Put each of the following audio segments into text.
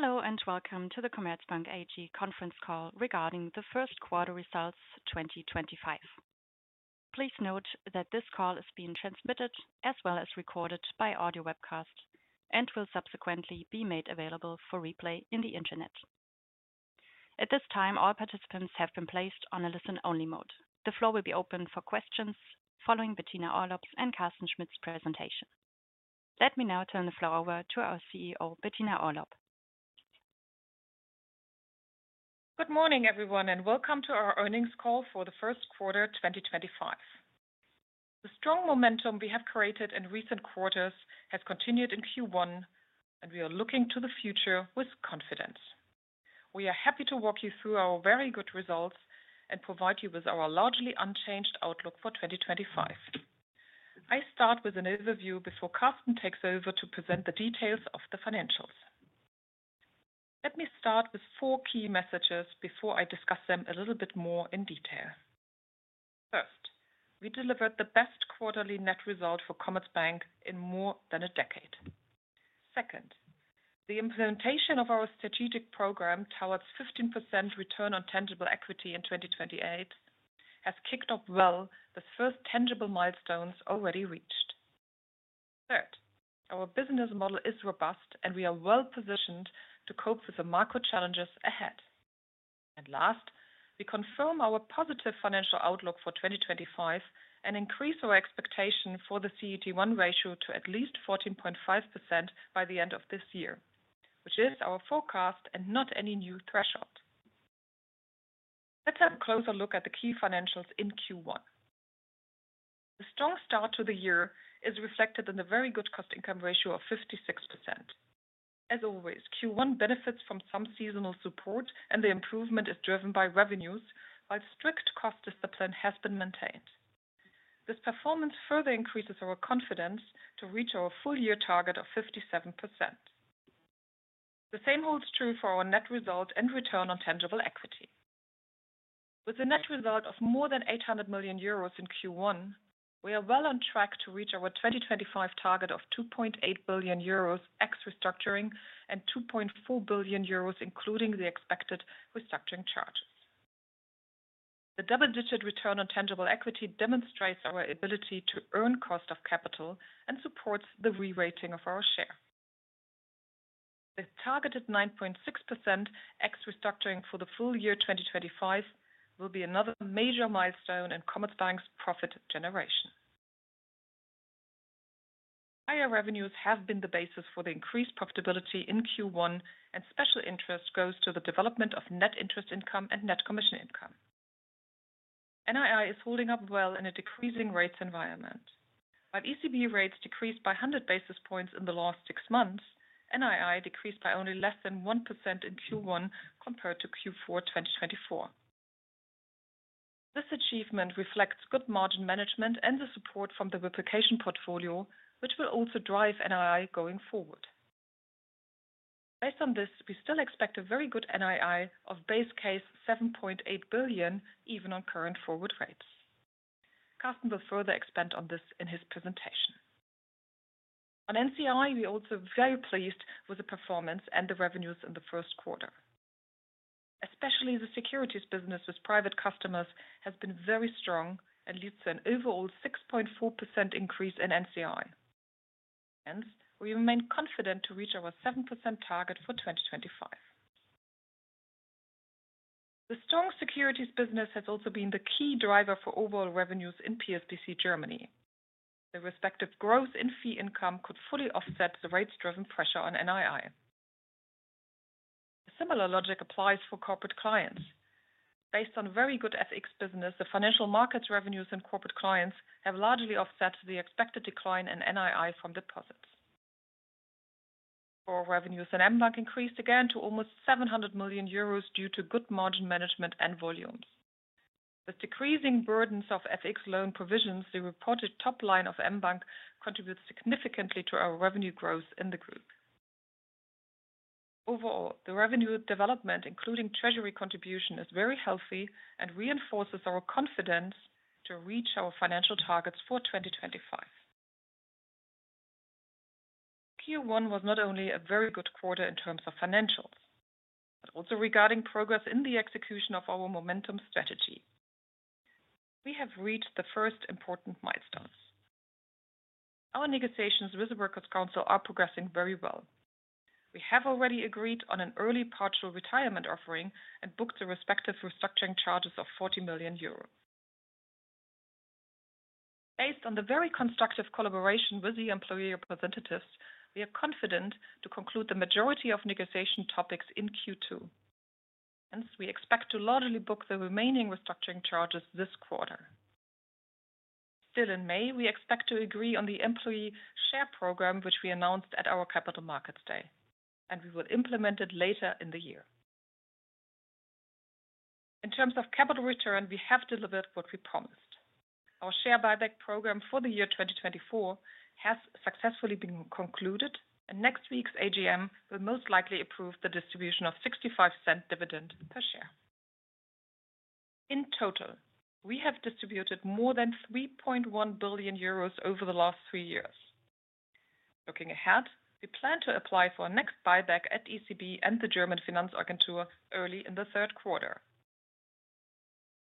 Hello and welcome to the Commerzbank AG Conference Call regarding the first quarter results 2025. Please note that this call is being transmitted as well as recorded by audio webcast and will subsequently be made available for replay on the internet. At this time, all participants have been placed on a listen-only mode. The floor will be open for questions following Bettina Orlopp's and Carsten Schmitt's presentation. Let me now turn the floor over to our CEO, Bettina Orlopp. Good morning, everyone, and welcome to our Earnings Call for the first quarter 2025. The strong momentum we have created in recent quarters has continued in Q1, and we are looking to the future with confidence. We are happy to walk you through our very good results and provide you with our largely unchanged outlook for 2025. I start with an overview before Carsten takes over to present the details of the financials. Let me start with four key messages before I discuss them a little bit more in detail. First, we delivered the best quarterly net result for Commerzbank in more than a decade. Second, the implementation of our strategic program towards 15% return on tangible equity in 2028 has kicked off well with first tangible milestones already reached. Third, our business model is robust, and we are well positioned to cope with the macro challenges ahead. Last, we confirm our positive financial outlook for 2025 and increase our expectation for the CET1 ratio to at least 14.5% by the end of this year, which is our forecast and not any new threshold. Let's have a closer look at the key financials in Q1. The strong start to the year is reflected in the very good cost-income ratio of 56%. As always, Q1 benefits from some seasonal support, and the improvement is driven by revenues, while strict cost discipline has been maintained. This performance further increases our confidence to reach our full-year target of 57%. The same holds true for our net result and return on tangible equity. With a net result of more than 800 million euros in Q1, we are well on track to reach our 2025 target of 2.8 billion euros ex restructuring and 2.4 billion euros, including the expected restructuring charges. The double-digit return on tangible equity demonstrates our ability to earn cost of capital and supports the re-rating of our share. The targeted 9.6% ex restructuring for the full year 2025 will be another major milestone in Commerzbank's profit generation. Higher revenues have been the basis for the increased profitability in Q1, and special interest goes to the development of net interest income and net commission income. NII is holding up well in a decreasing rates environment. While ECB rates decreased by 100 basis points in the last six months, NII decreased by only less than 1% in Q1 compared to Q4 2024. This achievement reflects good margin management and the support from the replication portfolio, which will also drive NII going forward. Based on this, we still expect a very good NII of base case 7.8 billion, even on current forward rates. Carsten will further expand on this in his presentation. On NCI, we are also very pleased with the performance and the revenues in the first quarter. Especially the securities business with private customers has been very strong and leads to an overall 6.4% increase in NCI. Hence, we remain confident to reach our 7% target for 2025. The strong securities business has also been the key driver for overall revenues in PSBC Germany. The respective growth in fee income could fully offset the rates-driven pressure on NII. A similar logic applies for corporate clients. Based on very good FX business, the financial markets revenues and corporate clients have largely offset the expected decline in NII from deposits. For revenues, mBank increased again to almost 700 million euros due to good margin management and volumes. With decreasing burdens of FX loan provisions, the reported top line of mBank contributes significantly to our revenue growth in the group. Overall, the revenue development, including treasury contribution, is very healthy and reinforces our confidence to reach our financial targets for 2025. Q1 was not only a very good quarter in terms of financials, but also regarding progress in the execution of our momentum strategy. We have reached the first important milestones. Our negotiations with the Workers' Council are progressing very well. We have already agreed on an early partial retirement offering and booked the respective restructuring charges of 40 million euros. Based on the very constructive collaboration with the employee representatives, we are confident to conclude the majority of negotiation topics in Q2. Hence, we expect to largely book the remaining restructuring charges this quarter. Still in May, we expect to agree on the employee share program, which we announced at our Capital Markets Day, and we will implement it later in the year. In terms of capital return, we have delivered what we promised. Our share buyback program for the year 2024 has successfully been concluded, and next week's AGM will most likely approve the distribution of 65% dividend per share. In total, we have distributed more than 3.1 billion euros over the last three years. Looking ahead, we plan to apply for our next buyback at ECB and the German Finanzagentur early in the third quarter.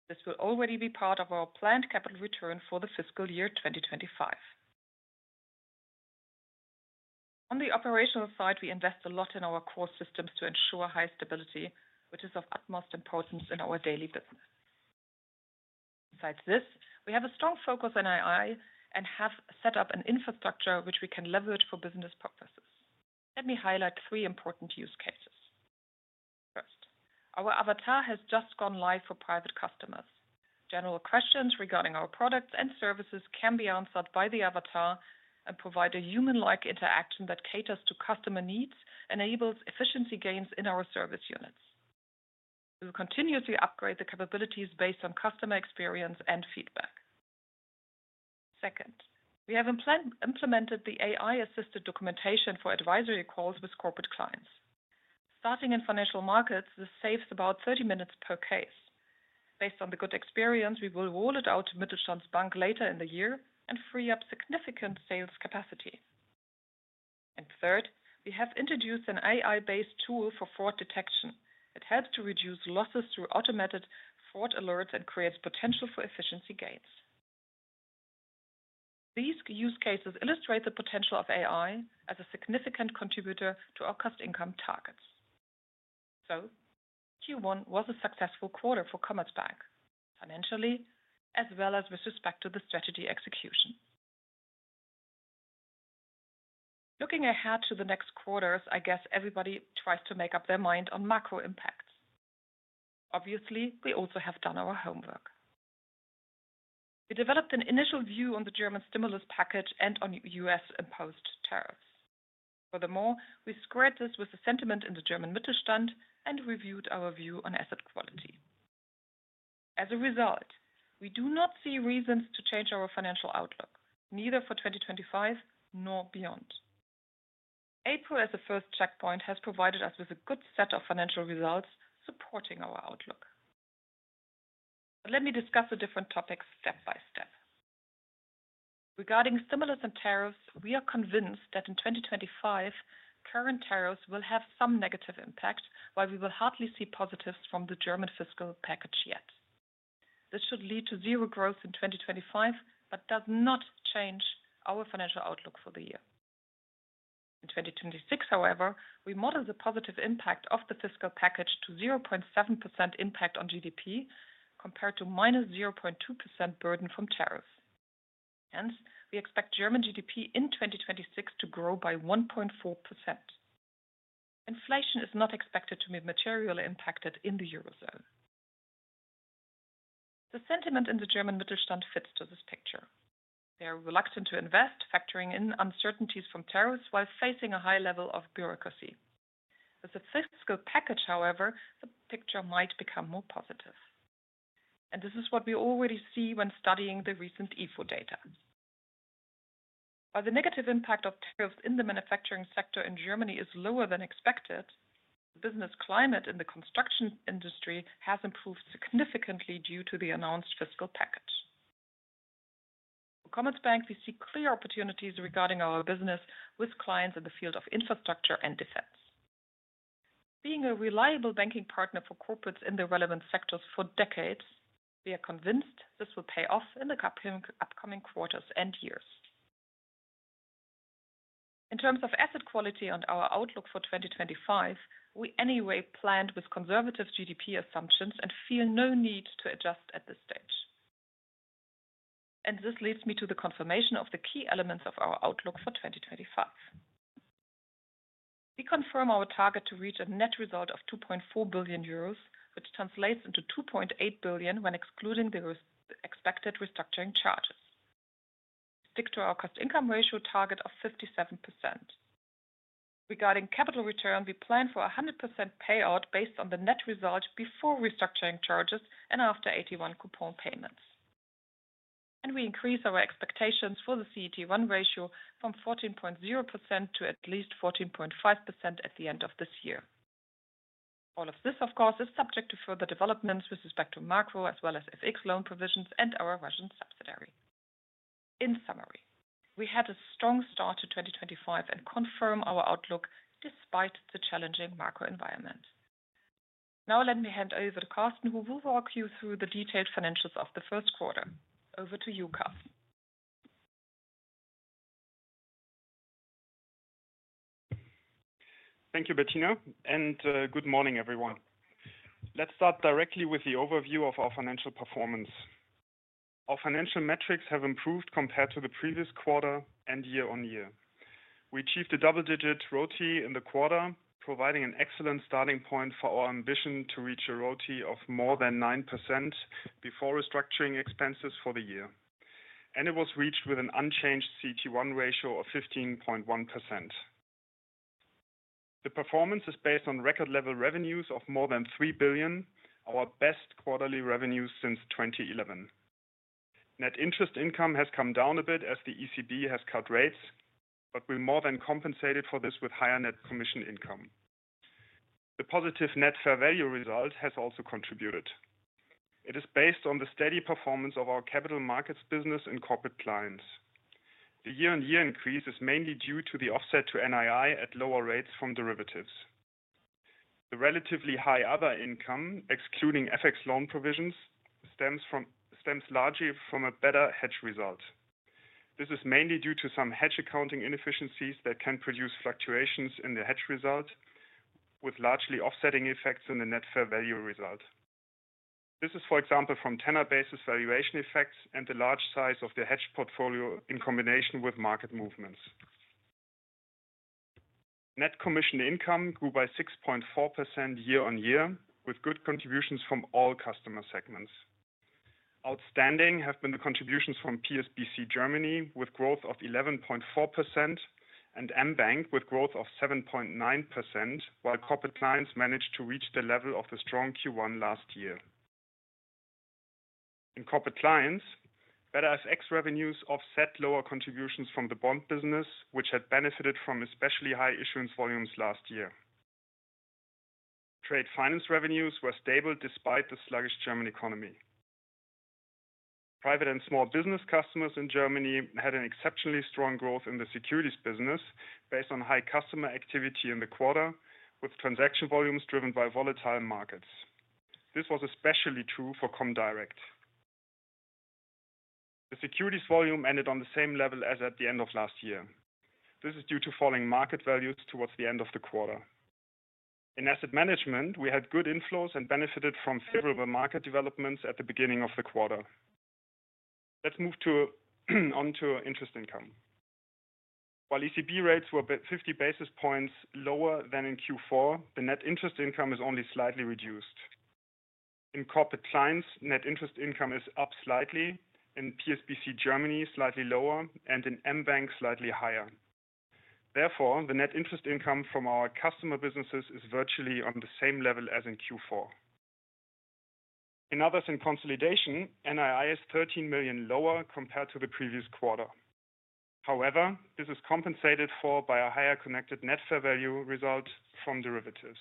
This will already be part of our planned capital return for the fiscal year 2025. On the operational side, we invest a lot in our core systems to ensure high stability, which is of utmost importance in our daily business. Besides this, we have a strong focus on NII and have set up an infrastructure which we can leverage for business purposes. Let me highlight three important use cases. First, our Avatar has just gone live for private customers. General questions regarding our products and services can be answered by the Avatar and provide a human-like interaction that caters to customer needs and enables efficiency gains in our service units. We will continuously upgrade the capabilities based on customer experience and feedback. Second, we have implemented the AI-assisted documentation for advisory calls with corporate clients. Starting in financial markets, this saves about 30 minutes per case. Based on the good experience, we will roll it out to Mittelstandsbank later in the year and free up significant sales capacity. Third, we have introduced an AI-based tool for fraud detection. It helps to reduce losses through automated fraud alerts and creates potential for efficiency gains. These use cases illustrate the potential of AI as a significant contributor to our cost-income targets. Q1 was a successful quarter for Commerzbank, financially, as well as with respect to the strategy execution. Looking ahead to the next quarters, I guess everybody tries to make up their mind on macro impacts. Obviously, we also have done our homework. We developed an initial view on the German stimulus package and on US-imposed tariffs. Furthermore, we squared this with the sentiment in the German Mittelstand and reviewed our view on asset quality. As a result, we do not see reasons to change our financial outlook, neither for 2025 nor beyond. April, as a first checkpoint, has provided us with a good set of financial results supporting our outlook. Let me discuss the different topics step by step. Regarding stimulus and tariffs, we are convinced that in 2025, current tariffs will have some negative impact, while we will hardly see positives from the German fiscal package yet. This should lead to zero growth in 2025 but does not change our financial outlook for the year. In 2026, however, we model the positive impact of the fiscal package to 0.7% impact on GDP compared to minus 0.2% burden from tariffs. Hence, we expect German GDP in 2026 to grow by 1.4%. Inflation is not expected to be materially impacted in the Eurozone. The sentiment in the German Mittelstand fits to this picture. They are reluctant to invest, factoring in uncertainties from tariffs while facing a high level of bureaucracy. With the fiscal package, however, the picture might become more positive. This is what we already see when studying the recent IFO data. While the negative impact of tariffs in the manufacturing sector in Germany is lower than expected, the business climate in the construction industry has improved significantly due to the announced fiscal package. For Commerzbank, we see clear opportunities regarding our business with clients in the field of infrastructure and defense. Being a reliable banking partner for corporates in the relevant sectors for decades, we are convinced this will pay off in the upcoming quarters and years. In terms of asset quality and our outlook for 2025, we anyway planned with conservative GDP assumptions and feel no need to adjust at this stage. This leads me to the confirmation of the key elements of our outlook for 2025. We confirm our target to reach a net result of 2.4 billion euros, which translates into 2.8 billion when excluding the expected restructuring charges. We stick to our cost-income ratio target of 57%. Regarding capital return, we plan for a 100% payout based on the net result before restructuring charges and after 81 coupon payments. We increase our expectations for the CET1 ratio from 14.0% to at least 14.5% at the end of this year. All of this, of course, is subject to further developments with respect to macro as well as FX loan provisions and our Russian subsidiary. In summary, we had a strong start to 2025 and confirm our outlook despite the challenging macro environment. Now, let me hand over to Carsten, who will walk you through the detailed financials of the first quarter. Over to you, Carsten. Thank you, Bettina, and good morning, everyone. Let's start directly with the overview of our financial performance. Our financial metrics have improved compared to the previous quarter and Year-on-Year. We achieved a double-digit return on tangible equity in the quarter, providing an excellent starting point for our ambition to reach a return on tangible equity of more than 9% before restructuring expenses for the year. It was reached with an unchanged CET1 ratio of 15.1%. The performance is based on record-level revenues of more than 3 billion, our best quarterly revenues since 2011. Net interest income has come down a bit as the ECB has cut rates, but we more than compensated for this with higher net commission income. The positive net fair value result has also contributed. It is based on the steady performance of our capital markets business and Corporate Clients. The Year-on-Year increase is mainly due to the offset to net interest income at lower rates from derivatives. The relatively high other income, excluding FX loan provisions, stems largely from a better hedge result. This is mainly due to some hedge accounting inefficiencies that can produce fluctuations in the hedge result, with largely offsetting effects in the net fair value result. This is, for example, from tenor basis valuation effects and the large size of the hedge portfolio in combination with market movements. Net commission income grew by 6.4% Year-on-Year, with good contributions from all customer segments. Outstanding have been the contributions from PSBC Germany with growth of 11.4% and mBank with growth of 7.9%, while Corporate Clients managed to reach the level of the strong Q1 last year. In Corporate Clients, better FX revenues offset lower contributions from the bond business, which had benefited from especially high issuance volumes last year. Trade finance revenues were stable despite the sluggish German economy. Private and Small-Business Customers in Germany had an exceptionally strong growth in the securities business based on high customer activity in the quarter, with transaction volumes driven by volatile markets. This was especially true for Comdirect. The securities volume ended on the same level as at the end of last year. This is due to falling market values towards the end of the quarter. In asset management, we had good inflows and benefited from favorable market developments at the beginning of the quarter. Let's move on to interest income. While ECB rates were 50 basis points lower than in Q4, the net interest income is only slightly reduced. In Corporate Clients, net interest income is up slightly, in PSBC Germany slightly lower, and in mBank slightly higher. Therefore, the net interest income from our customer businesses is virtually on the same level as in Q4. In others in consolidation, NII is 13 million lower compared to the previous quarter. However, this is compensated for by a higher connected net fair value result from derivatives.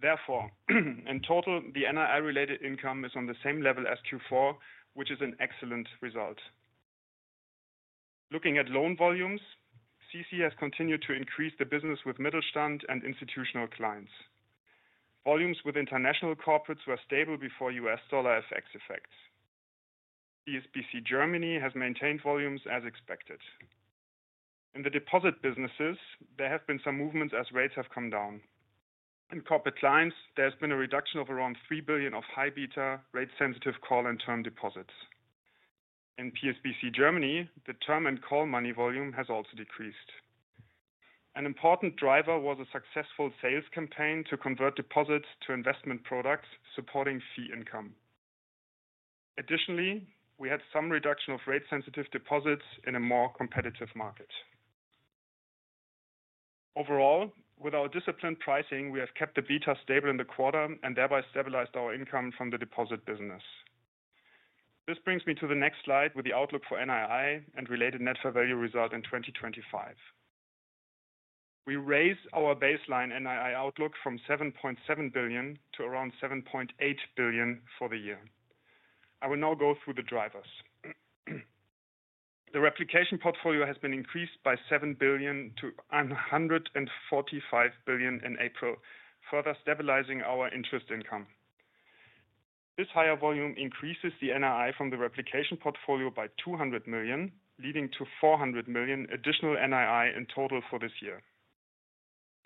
Therefore, in total, the NII-related income is on the same level as Q4, which is an excellent result. Looking at loan volumes, CC has continued to increase the business with Mittelstand and institutional clients. Volumes with international corporates were stable before US dollar FX effects. PSBC Germany has maintained volumes as expected. In the deposit businesses, there have been some movements as rates have come down. In corporate clients, there has been a reduction of around 3 billion of high-beta, rate-sensitive call and term deposits. In PSBC Germany, the term and call money volume has also decreased. An important driver was a successful sales campaign to convert deposits to investment products supporting fee income. Additionally, we had some reduction of rate-sensitive deposits in a more competitive market. Overall, with our disciplined pricing, we have kept the beta stable in the quarter and thereby stabilized our income from the deposit business. This brings me to the next slide with the outlook for NII and related net fair value result in 2025. We raised our baseline NII outlook from 7.7 billion to around 7.8 billion for the year. I will now go through the drivers. The replication portfolio has been increased by 7 billion to 145 billion in April, further stabilizing our interest income. This higher volume increases the NII from the replication portfolio by 200 million, leading to 400 million additional NII in total for this year.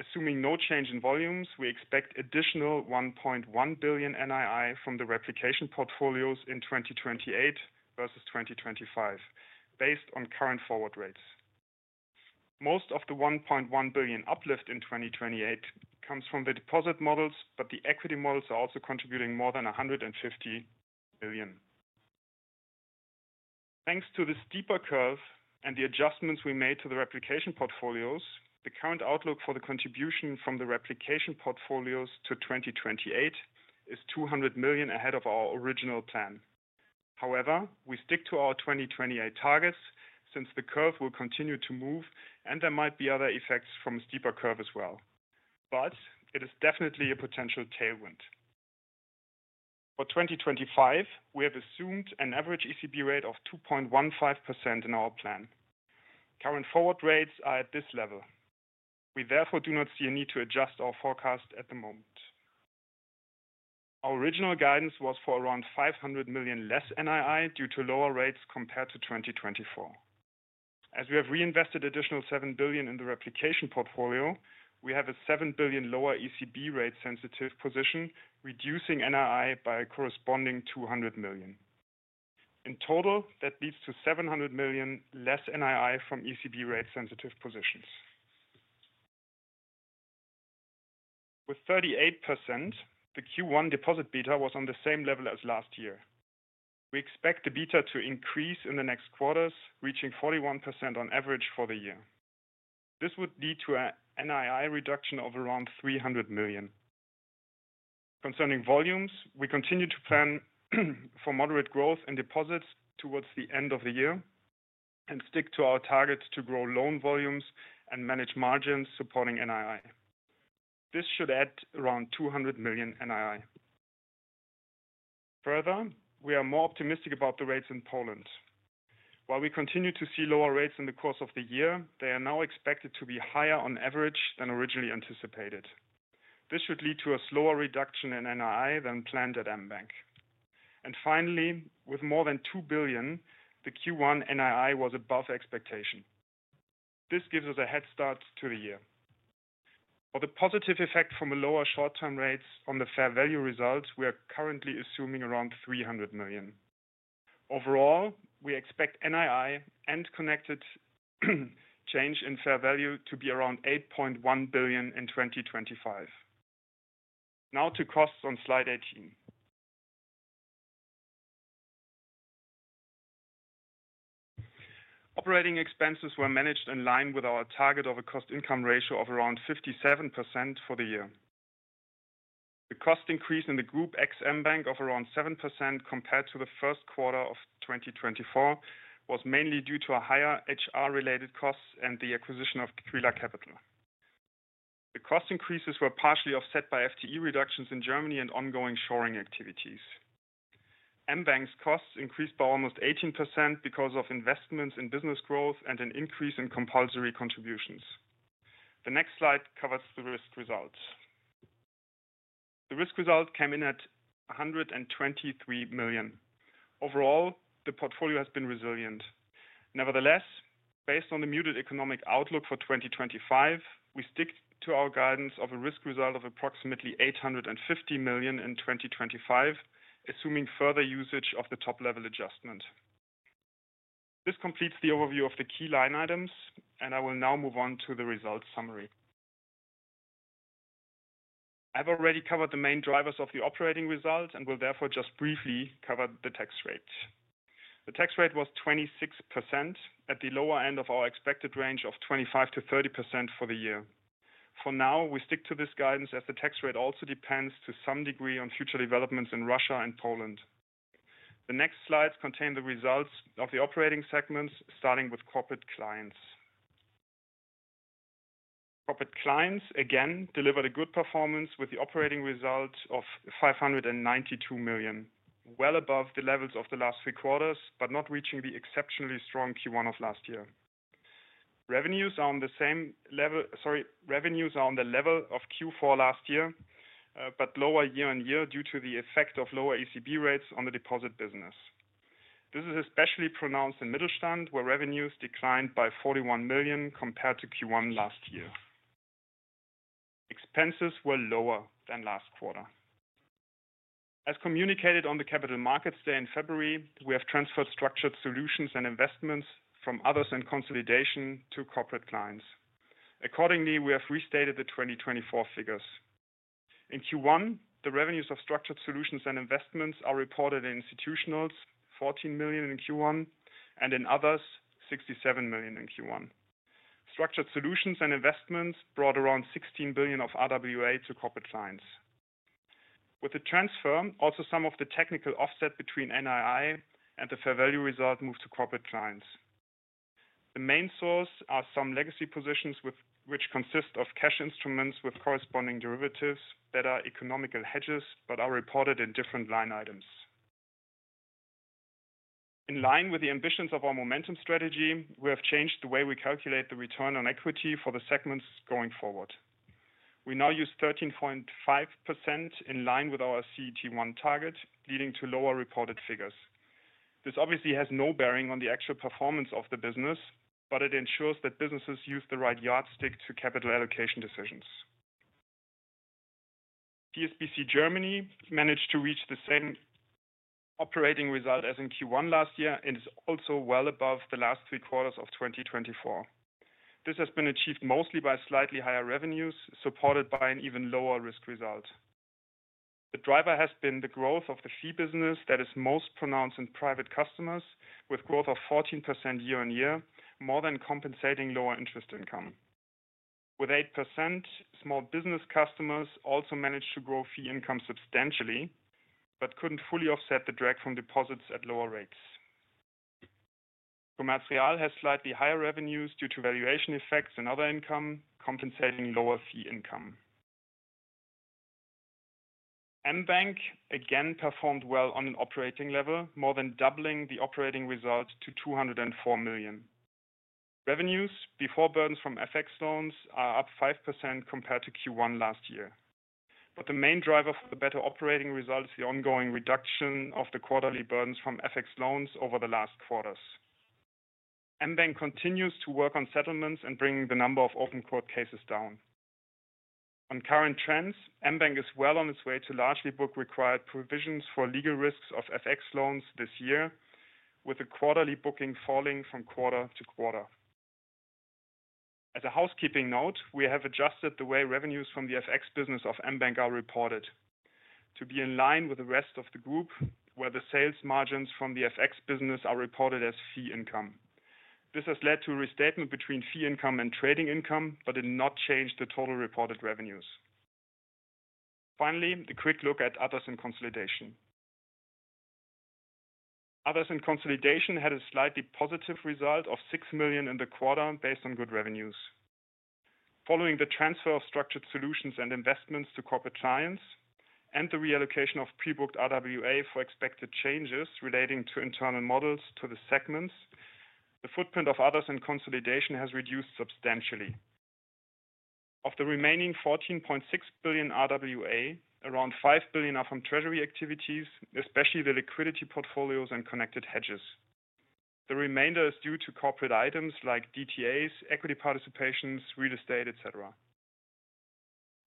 Assuming no change in volumes, we expect additional 1.1 billion NII from the replication portfolios in 2028 versus 2025, based on current forward rates. Most of the 1.1 billion uplift in 2028 comes from the deposit models, but the equity models are also contributing more than 150 million. Thanks to this steeper curve and the adjustments we made to the replication portfolios, the current outlook for the contribution from the replication portfolios to 2028 is 200 million ahead of our original plan. However, we stick to our 2028 targets since the curve will continue to move and there might be other effects from a steeper curve as well. It is definitely a potential tailwind. For 2025, we have assumed an average ECB rate of 2.15% in our plan. Current forward rates are at this level. We therefore do not see a need to adjust our forecast at the moment. Our original guidance was for around 500 million less NII due to lower rates compared to 2024. As we have reinvested additional 7 billion in the replication portfolio, we have a 7 billion lower ECB rate-sensitive position, reducing NII by a corresponding 200 million. In total, that leads to 700 million less NII from ECB rate-sensitive positions. With 38%, the Q1 deposit beta was on the same level as last year. We expect the beta to increase in the next quarters, reaching 41% on average for the year. This would lead to an NII reduction of around 300 million. Concerning volumes, we continue to plan for moderate growth in deposits towards the end of the year and stick to our target to grow loan volumes and manage margins supporting NII. This should add around 200 million NII. Further, we are more optimistic about the rates in Poland. While we continue to see lower rates in the course of the year, they are now expected to be higher on average than originally anticipated. This should lead to a slower reduction in NII than planned at mBank. Finally, with more than 2 billion, the Q1 NII was above expectation. This gives us a head start to the year. For the positive effect from the lower short-term rates on the fair value result, we are currently assuming around 300 million. Overall, we expect NII and connected change in fair value to be around 8.1 billion in 2025. Now to costs on slide 18. Operating expenses were managed in line with our target of a cost-income ratio of around 57% for the year. The cost increase in the Group and mBank of around 7% compared to the first quarter of 2024 was mainly due to higher HR-related costs and the acquisition of Kühler Capital. The cost increases were partially offset by FTE reductions in Germany and ongoing shoring activities. mBank's costs increased by almost 18% because of investments in business growth and an increase in compulsory contributions. The next slide covers the risk result. The risk result came in at 123 million. Overall, the portfolio has been resilient. Nevertheless, based on the muted economic outlook for 2025, we stick to our guidance of a risk result of approximately 850 million in 2025, assuming further usage of the top-level adjustment. This completes the overview of the key line items, and I will now move on to the result summary. I have already covered the main drivers of the operating result and will therefore just briefly cover the tax rate. The tax rate was 26% at the lower end of our expected range of 25%-30% for the year. For now, we stick to this guidance as the tax rate also depends to some degree on future developments in Russia and Poland. The next slides contain the results of the operating segments, starting with Corporate Clients. Corporate Clients again delivered a good performance with the operating result of 592 million, well above the levels of the last three quarters, but not reaching the exceptionally strong Q1 of last year. Revenues are on the same level, sorry, revenues are on the level of Q4 last year, but lower Year-on-Year due to the effect of lower ECB rates on the deposit business. This is especially pronounced in Mittelstand, where revenues declined by 41 million compared to Q1 last year. Expenses were lower than last quarter. As communicated on the Capital Markets Day in February, we have transferred structured solutions and investments from others in consolidation to Corporate Clients. Accordingly, we have restated the 2024 figures. In Q1, the revenues of structured solutions and investments are reported in Institutionals: 14 million in Q1 and in Others: 67 million in Q1. Structured solutions and investments brought around 16 billion of RWA to Corporate Clients. With the transfer, also some of the technical offset between NII and the fair value result moved to Corporate Clients. The main source are some legacy positions, which consist of cash instruments with corresponding derivatives, better economical hedges, but are reported in different line items. In line with the Ambitions of our momentum strategy, we have changed the way we calculate the return on equity for the segments going forward. We now use 13.5% in line with our CET1 target, leading to lower reported figures. This obviously has no bearing on the actual performance of the business, but it ensures that businesses use the right yardstick to capital allocation decisions. PSBC Germany managed to reach the same operating result as in Q1 last year and is also well above the last three quarters of 2024. This has been achieved mostly by slightly higher revenues supported by an even lower risk result. The driver has been the growth of the fee business that is most pronounced in private customers, with growth of 14% Year-on-Year, more than compensating lower interest income. With 8%, small business customers also managed to grow fee income substantially, but could not fully offset the drag from deposits at lower rates. Commerzreal has slightly higher revenues due to valuation effects and other income compensating lower fee income. mBank again performed well on an operating level, more than doubling the operating result to 204 million. Revenues before burdens from FX loans are up 5% compared to Q1 last year. The main driver for the better operating result is the ongoing reduction of the quarterly burdens from FX loans over the last quarters. mBank continues to work on settlements and bringing the number of open court cases down. On current trends, mBank is well on its way to largely book required provisions for legal risks of FX loans this year, with the quarterly booking falling from quarter to quarter. As a housekeeping note, we have adjusted the way revenues from the FX business of mBank are reported to be in line with the rest of the group, where the sales margins from the FX business are reported as fee income. This has led to a restatement between fee income and trading income, but did not change the total reported revenues. Finally, a quick look at others in consolidation. Others in consolidation had a slightly positive result of 6 million in the quarter based on good revenues. Following the transfer of structured solutions and investments to Corporate Clients and the reallocation of pre-booked risk-weighted assets for expected changes relating to internal models to the segments, the footprint of others in consolidation has reduced substantially. Of the remaining 14.6 billion risk-weighted assets, around 5 billion are from treasury activities, especially the liquidity portfolios and connected hedges. The remainder is due to corporate items like DTAs, equity participations, real estate, etc.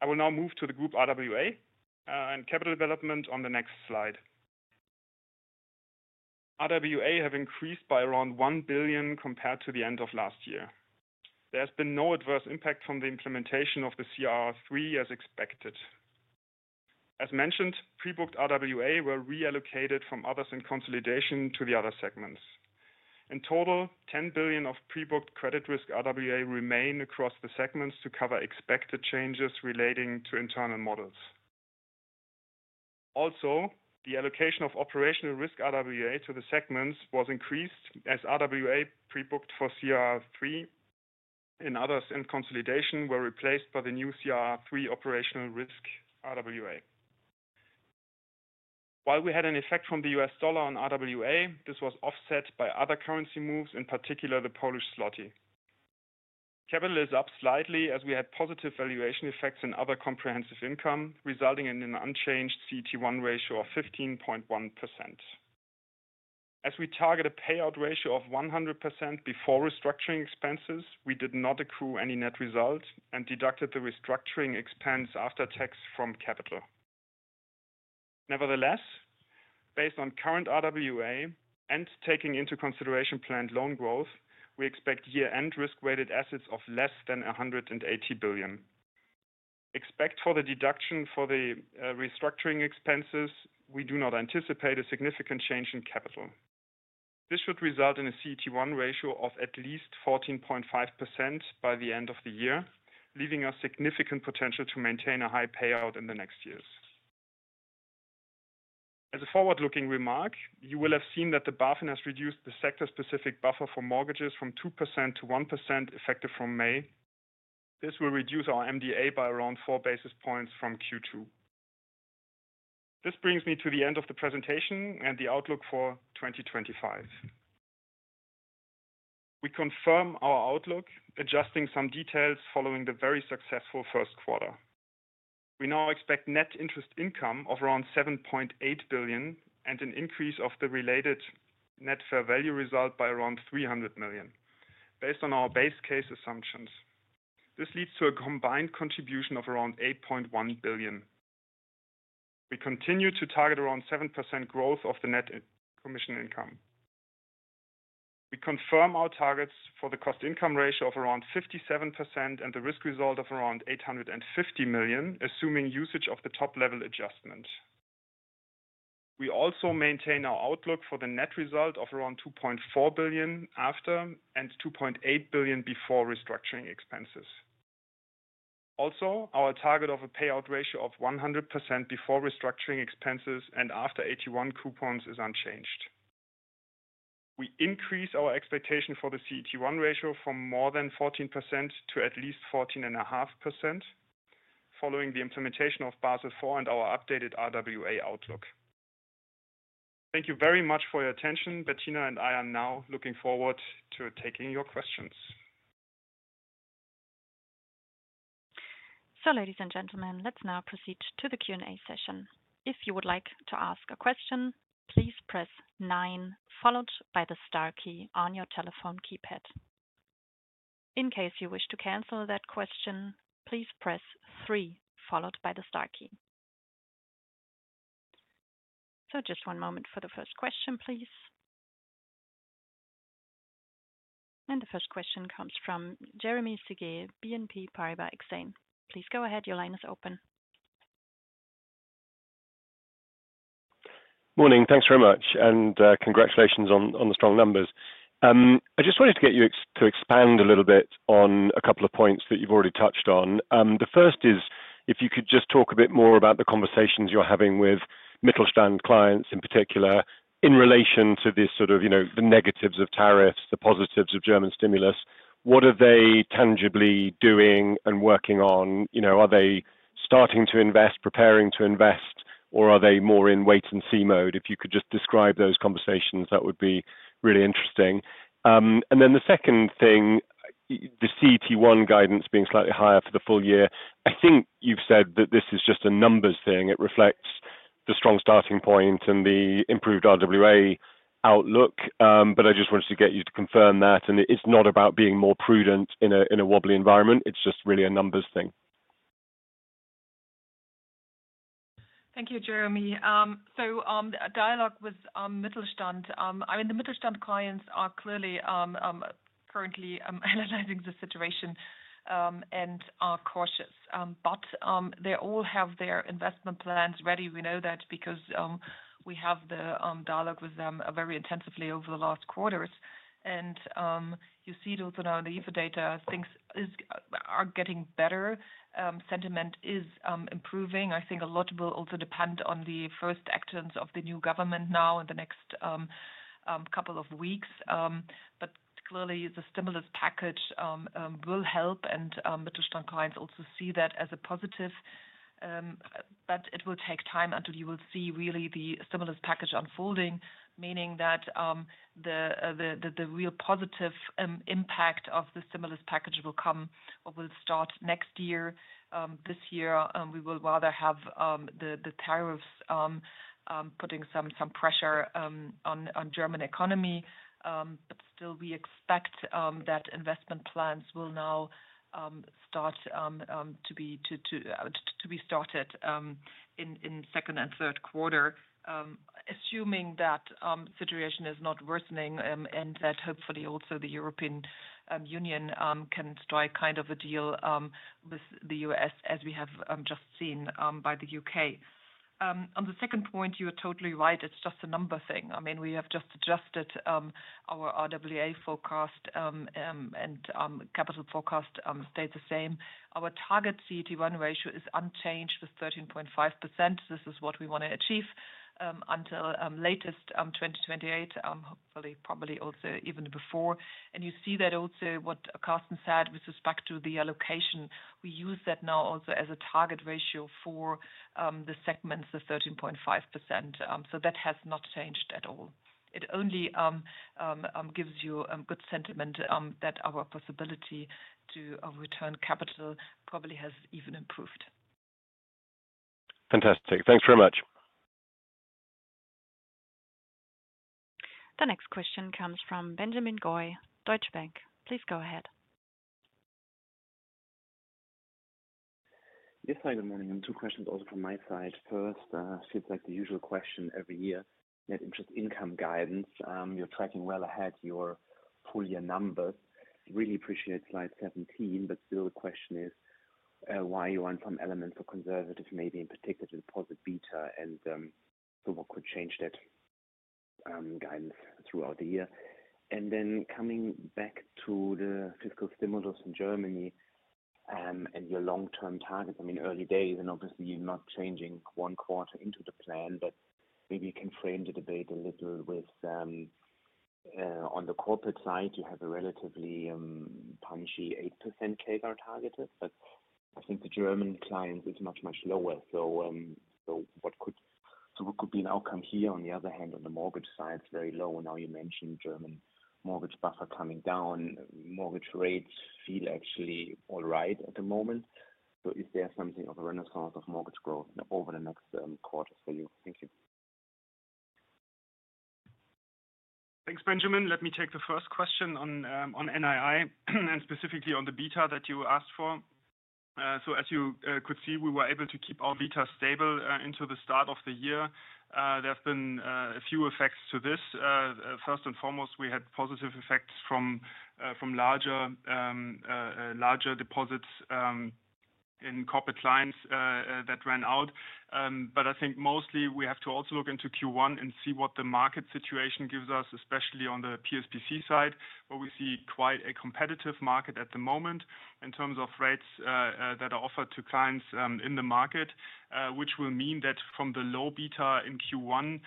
I will now move to the Group RWA and capital development on the next slide. RWA have increased by around 1 billion compared to the end of last year. There has been no adverse impact from the implementation of the CRR3 as expected. As mentioned, pre-booked RWA were reallocated from others in consolidation to the other segments. In total, 10 billion of pre-booked credit risk RWA remain across the segments to cover expected changes relating to internal models. Also, the allocation of operational risk RWA to the segments was increased as RWA pre-booked for CRR3 in others in consolidation were replaced by the new CRR3 operational risk RWA. While we had an effect from the US dollar on RWA, this was offset by other currency moves, in particular the Polish złoty. Capital is up slightly as we had positive valuation effects in other comprehensive income, resulting in an unchanged CET1 ratio of 15.1%. As we target a payout ratio of 100% before restructuring expenses, we did not accrue any net result and deducted the restructuring expense after tax from capital. Nevertheless, based on current RWA and taking into consideration planned loan growth, we expect year-end risk-weighted assets of less than 180 billion. Except for the deduction for the restructuring expenses, we do not anticipate a significant change in capital. This should result in a CET1 ratio of at least 14.5% by the end of the year, leaving a significant potential to maintain a high payout in the next years. As a forward-looking remark, you will have seen that BaFin has reduced the sector-specific buffer for mortgages from 2% to 1% effective from May. This will reduce our MDA by around four basis points from Q2. This brings me to the end of the presentation and the outlook for 2025. We confirm our outlook, adjusting some details following the very successful first quarter. We now expect net interest income of around 7.8 billion and an increase of the related net fair value result by around 300 million, based on our base case assumptions. This leads to a combined contribution of around 8.1 billion. We continue to target around 7% growth of the net commission income. We confirm our targets for the cost-income ratio of around 57% and the risk result of around 850 million, assuming usage of the top-level adjustment. We also maintain our outlook for the net result of around 2.4 billion after and 2.8 billion before restructuring expenses. Also, our target of a payout ratio of 100% before restructuring expenses and after 81 coupons is unchanged. We increase our expectation for the CET1 ratio from more than 14% to at least 14.5% following the implementation of Basel IV and our updated RWA outlook. Thank you very much for your attention. Bettina and I are now looking forward to taking your questions. Ladies and gentlemen, let's now proceed to the Q&A session. If you would like to ask a question, please press 9, followed by the star key on your telephone keypad. In case you wish to cancel that question, please press 3, followed by the star key. Just one moment for the first question, please. The first question comes from Jeremy Séguier, BNP Paribas Exane. Please go ahead, your line is open. Morning, thanks very much, and congratulations on the strong numbers. I just wanted to get you to expand a little bit on a couple of points that you've already touched on. The first is if you could just talk a bit more about the conversations you're having with Mittelstand clients in particular in relation to this sort of, you know, the negatives of tariffs, the positives of German stimulus. What are they tangibly doing and working on? You know, are they starting to invest, preparing to invest, or are they more in wait-and-see mode? If you could just describe those conversations, that would be really interesting. The second thing, the CET1 guidance being slightly higher for the full year, I think you've said that this is just a numbers thing. It reflects the strong starting point and the improved RWA outlook, but I just wanted to get you to confirm that, and it is not about being more prudent in a wobbly environment, it is just really a numbers thing. Thank you, Jeremy. Dialogue with Mittelstand, I mean, the Mittelstand clients are clearly currently analyzing the situation and are cautious, but they all have their investment plans ready. We know that because we have the dialogue with them very intensively over the last quarters, and you see also now in the EFA data things are getting better. Sentiment is improving. I think a lot will also depend on the first actions of the new government now in the next couple of weeks, but clearly the stimulus package will help, and Mittelstand clients also see that as a positive, but it will take time until you will see really the stimulus package unfolding, meaning that the real positive impact of the stimulus package will come or will start next year. This year, we will rather have the tariffs putting some pressure on German economy, but still we expect that investment plans will now start to be started in second and third quarter, assuming that the situation is not worsening and that hopefully also the European Union can strike kind of a deal with the U.S., as we have just seen by the U.K. On the second point, you are totally right, it's just a number thing. I mean, we have just adjusted our RWA forecast, and capital forecast stayed the same. Our target CET1 ratio is unchanged with 13.5%. This is what we want to achieve until latest 2028, hopefully, probably also even before. You see that also what Carsten said with respect to the allocation, we use that now also as a target ratio for the segments, the 13.5%. That has not changed at all. It only gives you good sentiment that our possibility to return capital probably has even improved. Fantastic, thanks very much. The next question comes from Benjamin Goy, Deutsche Bank. Please go ahead. Yes, hi, good morning. Two questions also from my side. First, it seems like the usual question every year, net interest income guidance. You're tracking well ahead your full year numbers. Really appreciate slide 17, but still the question is why you went from elements for conservative, maybe in particular deposit beta, and so what could change that guidance throughout the year? Coming back to the fiscal stimulus in Germany and your long-term targets, I mean, early days, and obviously you're not changing one quarter into the plan, but maybe you can frame the debate a little with on the corporate side, you have a relatively punchy 8% CAGR targeted, but I think the German clients is much, much lower. What could be an outcome here? On the other hand, on the mortgage side, it's very low. Now you mentioned German mortgage buffer coming down, mortgage rates feel actually all right at the moment. Is there something of a renaissance of mortgage growth over the next quarter for you? Thank you. Thanks, Benjamin. Let me take the first question on NII and specifically on the beta that you asked for. As you could see, we were able to keep our beta stable into the start of the year. There have been a few effects to this. First and foremost, we had positive effects from larger deposits in Corporate Clients that ran out. I think mostly we have to also look into Q1 and see what the market situation gives us, especially on the PSPC side, where we see quite a competitive market at the moment in terms of rates that are offered to clients in the market, which will mean that from the low beta in Q1,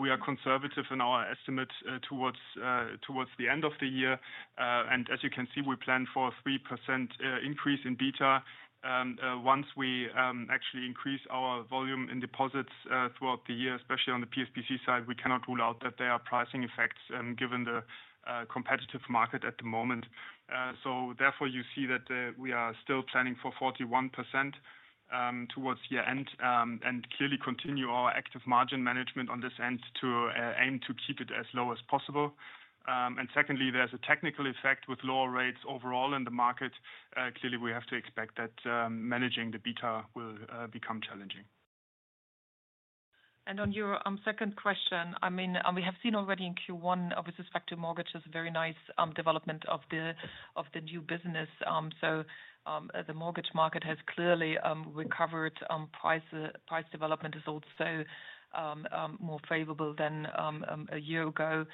we are conservative in our estimate towards the end of the year. As you can see, we plan for a 3% increase in beta once we actually increase our volume in deposits throughout the year, especially on the PSPC side. We cannot rule out that there are pricing effects given the competitive market at the moment. Therefore, you see that we are still planning for 41% towards year-end and clearly continue our active margin management on this end to aim to keep it as low as possible. Secondly, there is a technical effect with lower rates overall in the market. Clearly, we have to expect that managing the beta will become challenging. On your second question, I mean, we have seen already in Q1 with respect to mortgages, very nice development of the new business. The Mortgage market has clearly recovered. Price development is also more favorable than a year ago.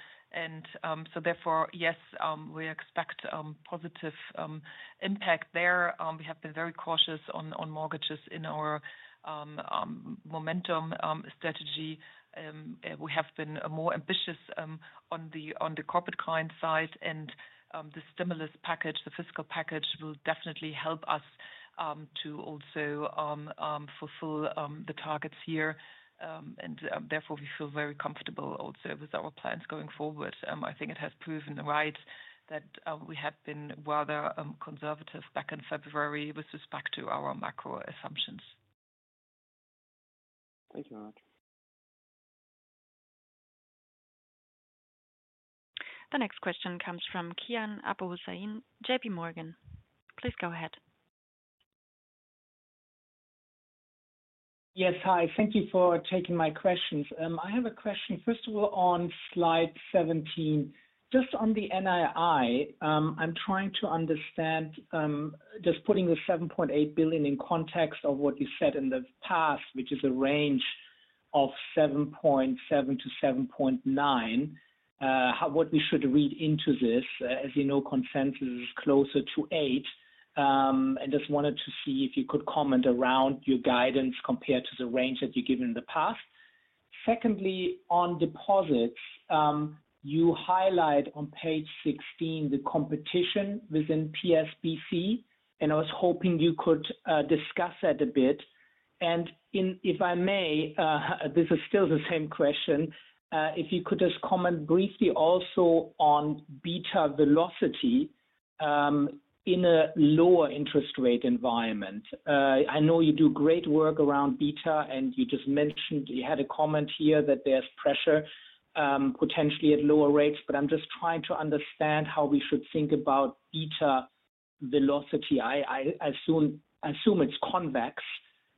Therefore, yes, we expect positive impact there. We have been very cautious on mortgages in our momentum strategy. We have been more ambitious on the corporate client side, and the stimulus package, the fiscal package will definitely help us to also fulfill the targets here. Therefore, we feel very comfortable also with our plans going forward. I think it has proven right that we had been rather conservative back in February with respect to our macro assumptions. Thank you very much. The next question comes from Kian Abouhossein, JP Morgan. Please go ahead. Yes, hi. Thank you for taking my questions. I have a question, first of all, on slide 17. Just on the NII, I am trying to understand, just putting the 7.8 billion in context of what you said in the past, which is a range of 7.7-7.9 billion, what we should read into this. As you know, consensus is closer to 8, and just wanted to see if you could comment around your guidance compared to the range that you've given in the past. Secondly, on deposits, you highlight on page 16 the competition within PSBC, and I was hoping you could discuss that a bit. If I may, this is still the same question, if you could just comment briefly also on beta velocity in a lower interest rate environment. I know you do great work around beta, and you just mentioned you had a comment here that there's pressure potentially at lower rates, but I'm just trying to understand how we should think about beta velocity. I assume it's convex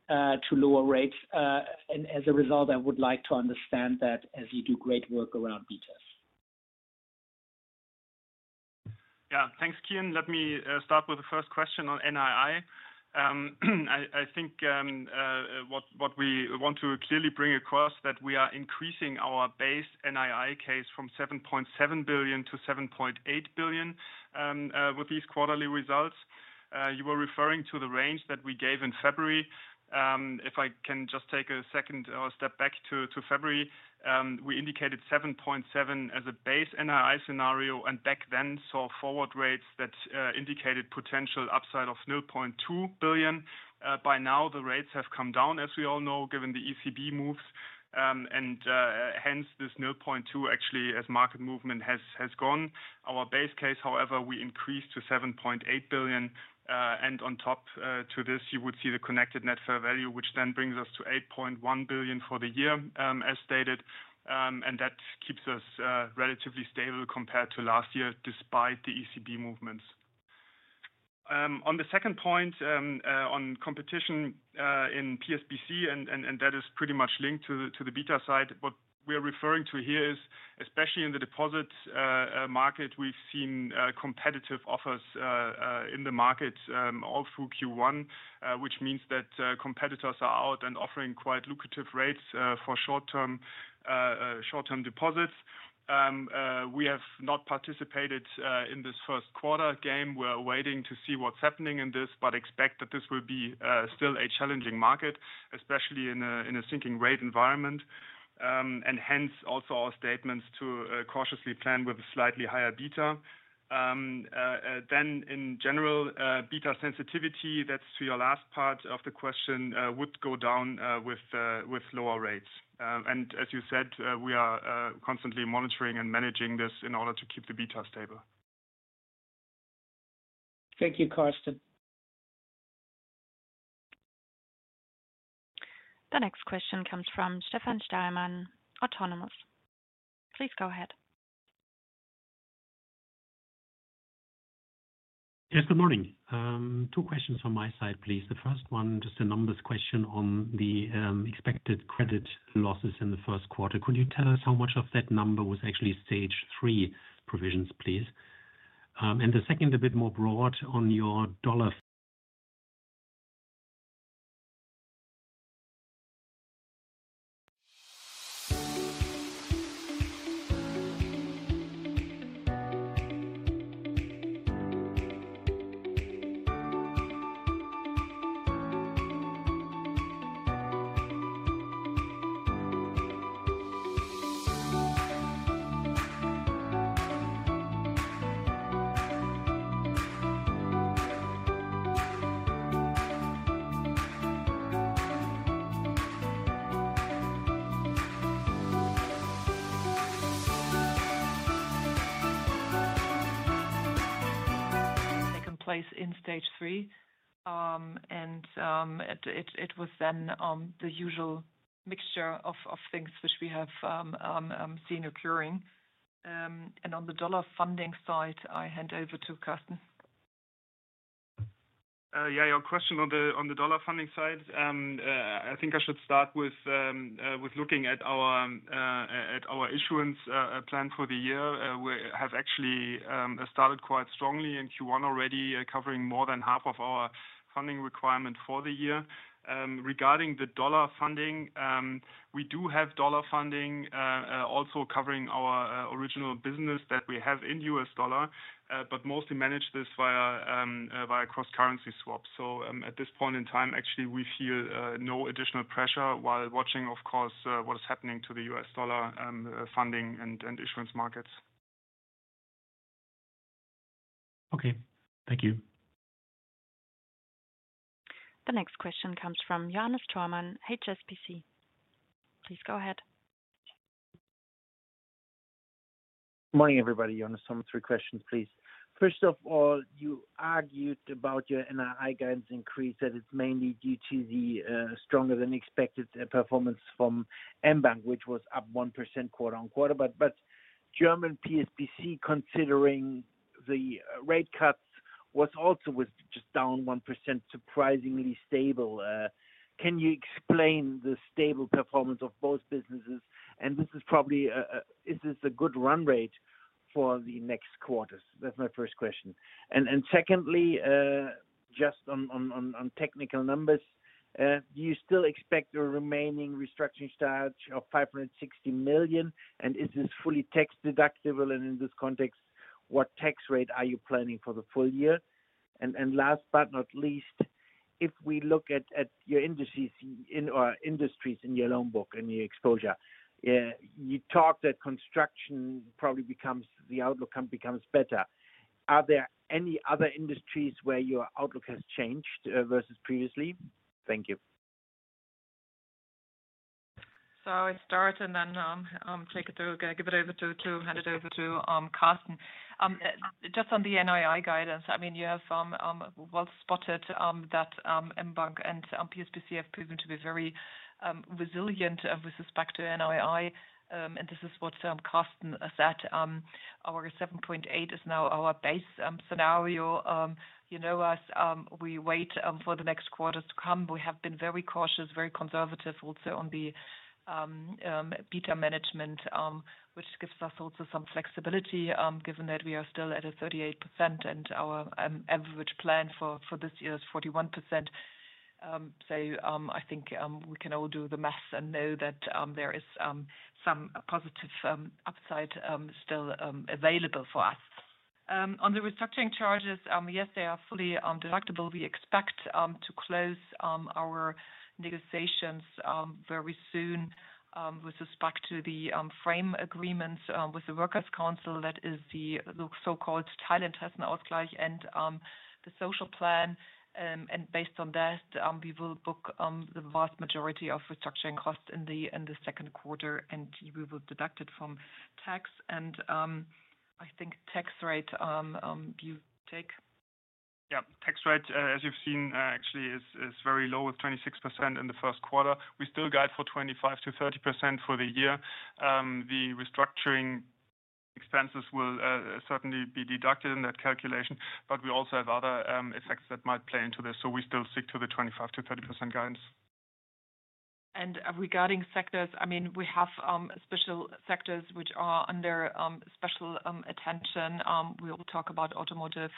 to lower rates, and as a result, I would like to understand that as you do great work around betas. Yeah, thanks, Kian, Let me start with the first question on NII. I think what we want to clearly bring across is that we are increasing our base NII case from 7.7 billion to 7.8 billion with these quarterly results. You were referring to the range that we gave in February. If I can just take a second or a step back to February, we indicated 7.7 billion as a base NII scenario, and back then saw forward rates that indicated potential upside of 0.2 billion. By now, the rates have come down, as we all know, given the ECB moves, and hence this 0.2 billion actually as market movement has gone. Our base case, however, we increased to 7.8 billion, and on top to this, you would see the connected net fair value, which then brings us to 8.1 billion for the year, as stated, and that keeps us relatively stable compared to last year despite the ECB movements. On the second point on competition in PSBC, and that is pretty much linked to the beta side, what we're referring to here is especially in the deposit market, we've seen competitive offers in the market all through Q1, which means that competitors are out and offering quite lucrative rates for short-term deposits. We have not participated in this first quarter game. We're waiting to see what's happening in this, but expect that this will be still a challenging market, especially in a sinking rate environment, and hence also our statements to cautiously plan with a slightly higher beta. In general, beta sensitivity, that's to your last part of the question, would go down with lower rates. As you said, we are constantly monitoring and managing this in order to keep the beta stable. Thank you, Carsten. The next question comes from Stephan Steinmann, Autonomous. Please go ahead. Yes, good morning. Two questions from my side, please. The first one, just a numbers question on the expected credit losses in the first quarter. Could you tell us how much of that number was actually stage three provisions, please? The second, a bit more broad on your dollar. Taken place in stage three, and it was then the usual mixture of things which we have seen occurring. On the dollar funding side, I hand over to Carsten. Yeah, your question on the dollar funding side, I think I should start with looking at our issuance plan for the year. We have actually started quite strongly in Q1 already, covering more than half of our funding requirement for the year. Regarding the dollar funding, we do have dollar funding also covering our original business that we have in US dollar, but mostly manage this via cross-currency swaps. At this point in time, actually, we feel no additional pressure while watching, of course, what is happening to the US dollar funding and issuance markets. Okay, thank you. The next question comes from Johannes Thormann, HSBC. Please go ahead. Morning, everybody. Johannes Thormann, three questions, please. First of all, you argued about your NII guidance increase that it is mainly due to the stronger-than-expected performance from mBank, which was up 1%, quote-unquote. German PSBC, considering the rate cuts, was also just down 1%, surprisingly stable. Can you explain the stable performance of both businesses? Is this a good run rate for the next quarters? That's my first question. Secondly, just on technical numbers, do you still expect a remaining restructuring style of 560 million? Is this fully tax deductible? In this context, what tax rate are you planning for the full year? Last but not least, if we look at your indices or industries in your loan book and your exposure, you talk that construction probably becomes, the outlook becomes better. Are there any other Industries where your outlook has changed versus previously? Thank you. I'll start and then give it over to Carsten. Just on the NII guidance, I mean, you have well spotted that mBank and PSBC have proven to be very resilient with respect to NII, and this is what Carsten said. Our 7.8 billion is now our base scenario. You know us, we wait for the next quarters to come. We have been very cautious, very conservative also on the beta management, which gives us also some flexibility given that we are still at a 38%, and our average plan for this year is 41%. I think we can all do the math and know that there is some positive upside still available for us. On the restructuring charges, yes, they are fully deductible. We expect to close our negotiations very soon with respect to the frame agreements with the Workers' Council that is the so-called Teilhessen Ausgleich and the social plan. Based on that, we will book the vast majority of restructuring costs in the second quarter, and we will deduct it from tax. I think tax rate, you take. Yeah, tax rate, as you've seen, actually is very low with 26% in the first quarter. We still guide for 25%-30% for the year. The restructuring expenses will certainly be deducted in that calculation, but we also have other effects that might play into this. We still stick to the 25%-30% guidance. Regarding sectors, I mean, we have special sectors which are under special attention. We will talk about automotive.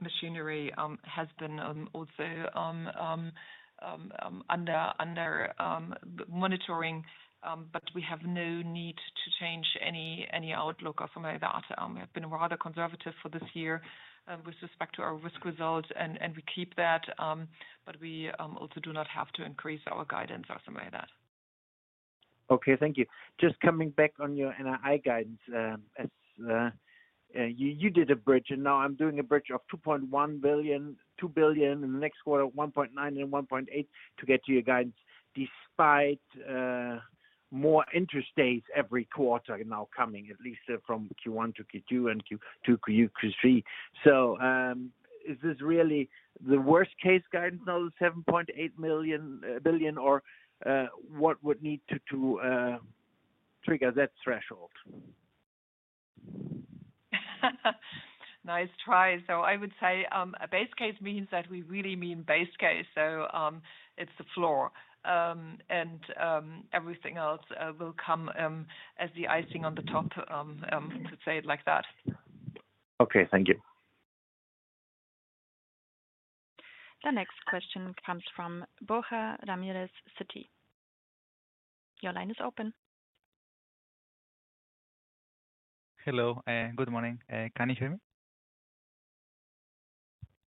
Machinery has been also under monitoring, but we have no need to change any outlook or something like that. We have been rather conservative for this year with respect to our risk results, and we keep that, but we also do not have to increase our guidance or something like that. Okay, thank you. Just coming back on your NII guidance, you did a bridge, and now I'm doing a bridge of 2.1 billion, 2 billion in the next quarter, 1.9 billion and 1.8 billion to get to your guidance despite more interest days every quarter now coming, at least from Q1 to Q2 and Q3. Is this really the worst-case guidance, 7.8 billion, or what would need to trigger that threshold? Nice try. I would say a base case means that we really mean base case. It is the floor, and everything else will come as the icing on the top, to say it like that. Okay, thank you. The next question comes from Boha Ramirez, Citi. Your line is open. Hello, good morning. Can you hear me?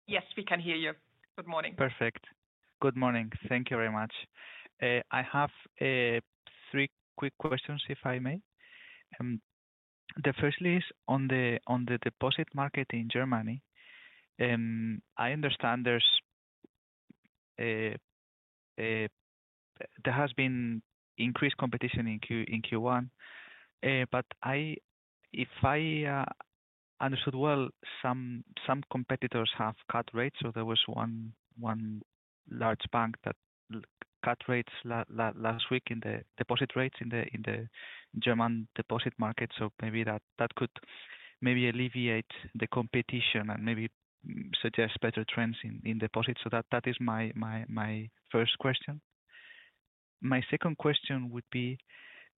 Yes, we can hear you. Good morning. Perfect. Good morning. Thank you very much. I have three quick questions, if I may. The first is on the deposit market in Germany. I understand there has been increased competition in Q1, but if I understood well, some competitors have cut rates. There was one large bank that cut rates last week in the deposit rates in the German deposit market. That could maybe alleviate the competition and maybe suggest better trends in deposits. That is my first question. My second question would be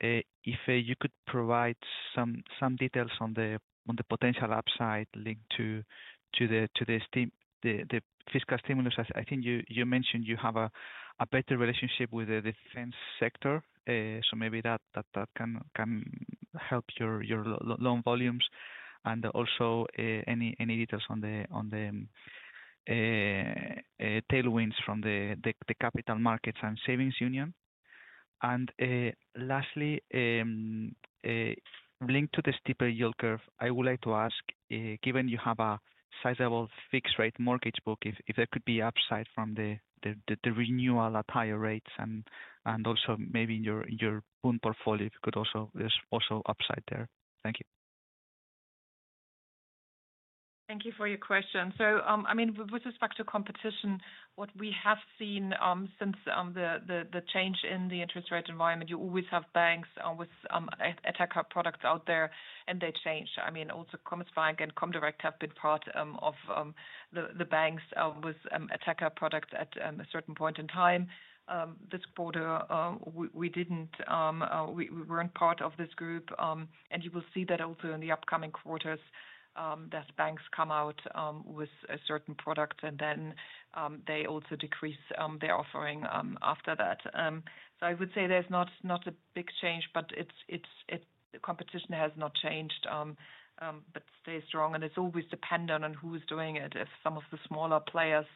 if you could provide some details on the potential upside linked to the fiscal stimulus. I think you mentioned you have a better relationship with the defense sector. That can help your loan volumes. Also, any details on the tailwinds from the capital markets and savings union. Lastly, linked to the steeper yield curve, I would like to ask, given you have a sizable fixed-rate mortgage book, if there could be upside from the renewal at higher rates and also maybe in your own portfolio, if there could also be upside there. Thank you. Thank you for your question. I mean, with respect to competition, what we have seen since the change in the interest rate environment, you always have banks with attacker products out there, and they change. I mean, also Commerzbank and Comdirect have been part of the banks with attacker products at a certain point in time. This quarter, we were not part of this group, and you will see that also in the upcoming quarters that banks come out with a certain product, and then they also decrease their offering after that. I would say there is not a big change, but the competition has not changed, but stays strong, and it is always dependent on who is doing it. If some of the smaller players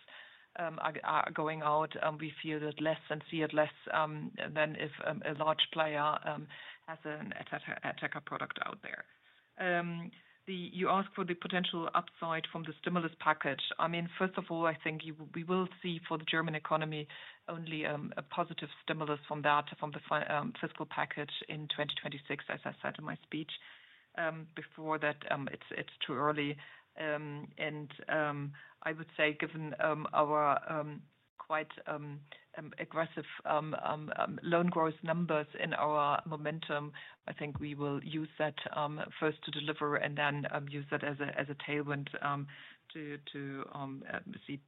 are going out, we feel that less and see it less than if a large player has an attacker product out there. You asked for the potential upside from the stimulus package. I mean, first of all, I think we will see for the German economy only a positive stimulus from that, from the fiscal package in 2026, as I said in my speech. Before that, it is too early. I would say given our quite aggressive loan growth numbers in our momentum, I think we will use that first to deliver and then use that as a tailwind to see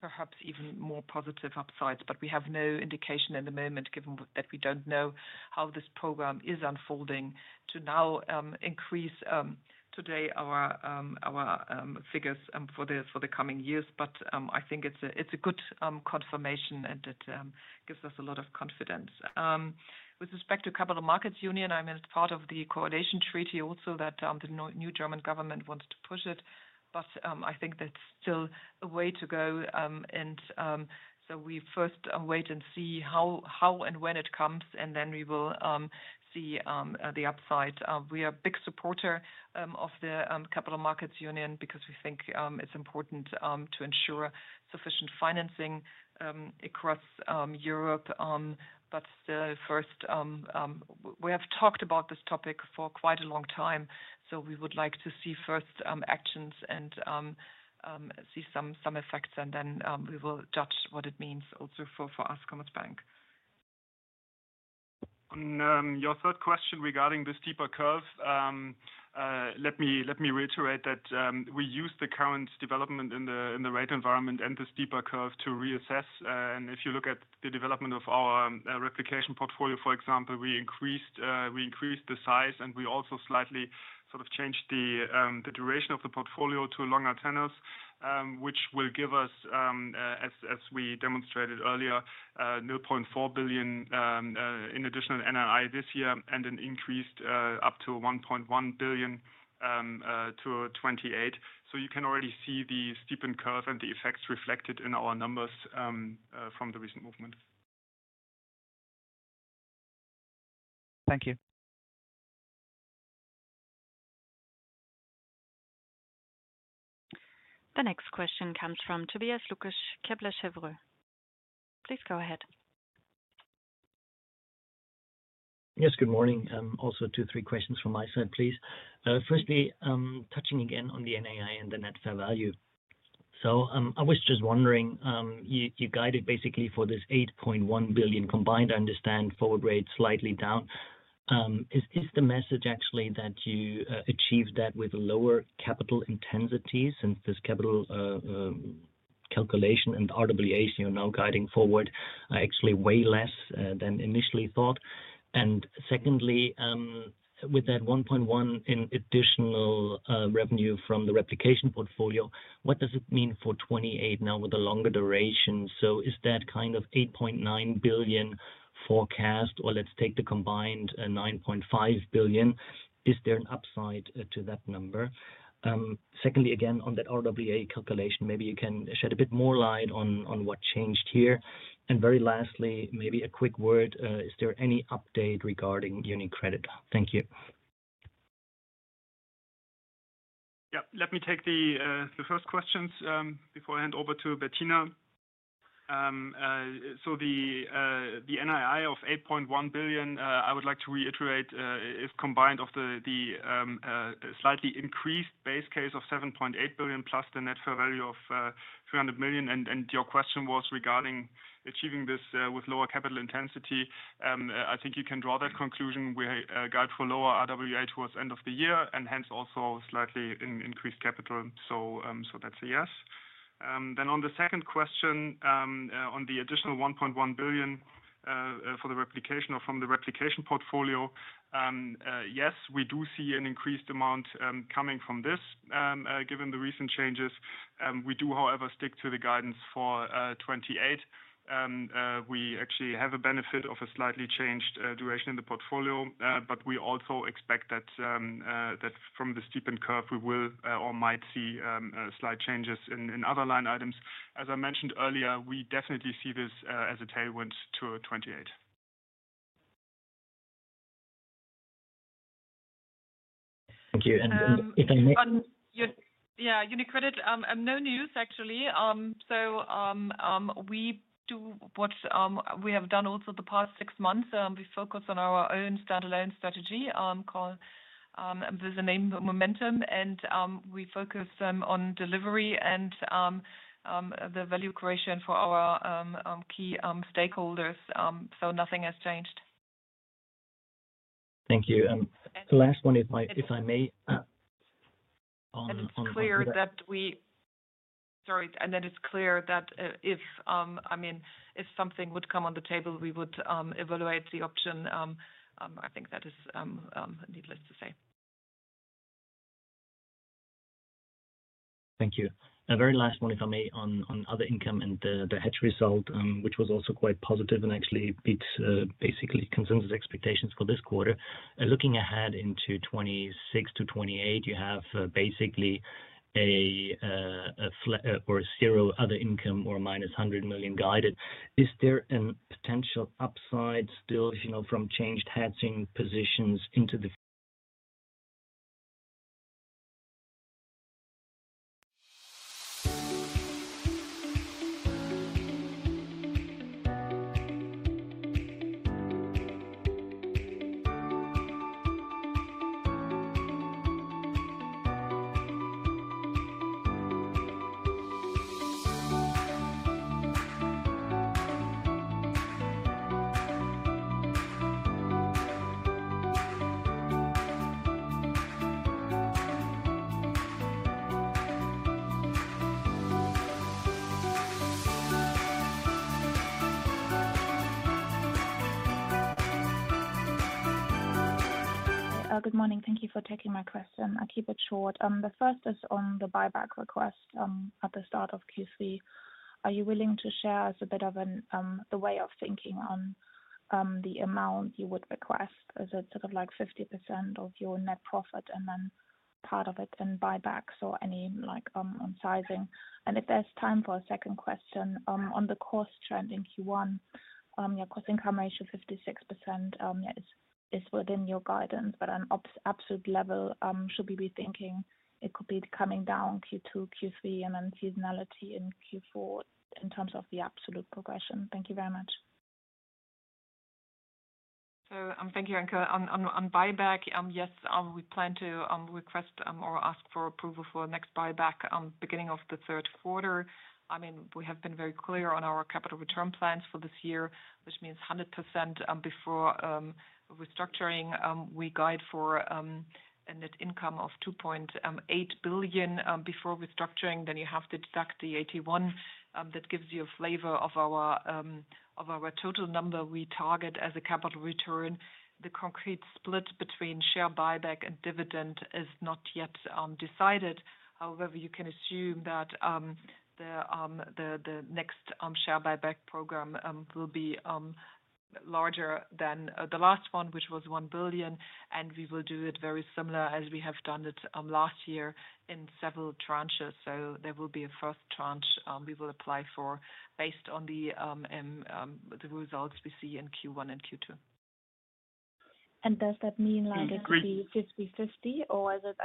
perhaps even more positive upsides. We have no indication at the moment given that we do not know how this program is unfolding to now increase today our figures for the coming years. I think it is a good confirmation, and it gives us a lot of confidence. With respect to Capital Markets Union, I mean, it is part of the coalition treaty also that the new German Government wants to push it, but I think that is still a way to go. We first wait and see how and when it comes, and then we will see the upside. We are a big supporter of the Capital Markets Union because we think it's important to ensure sufficient financing across Europe. First, we have talked about this topic for quite a long time. We would like to see first actions and see some effects, and then we will judge what it means also for us, Commerzbank. Your third question regarding the steeper curve, let me reiterate that we use the current development in the rate environment and the steeper curve to reassess. If you look at the development of our replication portfolio, for example, we increased the size, and we also slightly sort of changed the duration of the portfolio to longer tenors, which will give us, as we demonstrated earlier, 0.4 billion in additional NII this year and an increase up to 1.1 billion to 2028. You can already see the steepened curve and the effects reflected in our numbers from the recent movement. Thank you. The next question comes from Tobias Lukas. Please go ahead. Yes, good morning. Also two, three questions from my side, please. Firstly, touching again on the NII and the net fair value. I was just wondering, you guided basically for this 8.1 billion combined, I understand, forward rate slightly down. Is the message actually that you achieved that with lower capital intensities since this capital calculation and the RWAs you are now guiding forward are actually way less than initially thought? Secondly, with that 1.1 billion in additional revenue from the replication portfolio, what does it mean for 2028 now with a longer duration? Is that kind of 8.9 billion forecast, or let's take the combined 9.5 billion? Is there an upside to that number? Secondly, again, on that RWA calculation, maybe you can shed a bit more light on what changed here. And very lastly, maybe a quick word, is there any update regarding UniCredit? Thank you. Yeah, let me take the first questions before I hand over to Bettina. So the NII of 8.1 billion, I would like to reiterate, is combined of the slightly increased base case of 7.8 billion plus the net fair value of 300 million. And your question was regarding achieving this with lower capital intensity. I think you can draw that conclusion. We guide for lower RWA towards the end of the year and hence also slightly increased capital. So that's a yes. Then on the second question on the additional 1.1 billion for the replication or from the replication portfolio, yes, we do see an increased amount coming from this given the recent changes. We do, however, stick to the guidance for 2028. We actually have a benefit of a slightly changed duration in the portfolio, but we also expect that from the steepened curve, we will or might see slight changes in other line items. As I mentioned earlier, we definitely see this as a tailwind to 2028. Thank you. If I may. Yeah, UniCredit, no news actually. We do what we have done also the past six months. We focus on our own standalone strategy called Visa Name Momentum, and we focus on delivery and the value creation for our key stakeholders. Nothing has changed. Thank you. The last one is, if I may. It is clear that we—sorry. It is clear that if, I mean, if something would come on the table, we would evaluate the option. I think that is needless to say. Thank you. Very last one, if I may, on other income and the hedge result, which was also quite positive and actually beat basically consensus expectations for this quarter. Looking ahead into 2026 to 2028, you have basically a zero other income or minus 100 million guided. Is there a potential upside still from changed hedging positions. Good morning. Thank you for taking my question. I'll keep it short. The first is on the buyback request at the start of Q3. Are you willing to share with us a bit of the way of thinking on the amount you would request? Is it sort of like 50% of your net profit and then part of it in buybacks or any sizing? If there is time for a second question, on the cost trend in Q1, your cost-income ratio 56% is within your guidance, but an absolute level should be rethinking. It could be coming down Q2, Q3, and then seasonality in Q4 in terms of the absolute progression. Thank you very much. Thank you. On buyback, yes, we plan to request or ask for approval for next buyback beginning of the third quarter. I mean, we have been very clear on our capital return plans for this year, which means 100% before restructuring. We guide for a net income of 2.8 billion before restructuring. Then you have to deduct the 81 that gives you a flavor of our total number we target as a capital return. The concrete split between share buyback and dividend is not yet decided. However, you can assume that the next share buyback program will be larger than the last one, which was 1 billion. We will do it very similar as we have done it last year in several tranches. There will be a first tranche we will apply for based on the results we see in Q1 and Q2. Does that mean like a 50-50, or is it,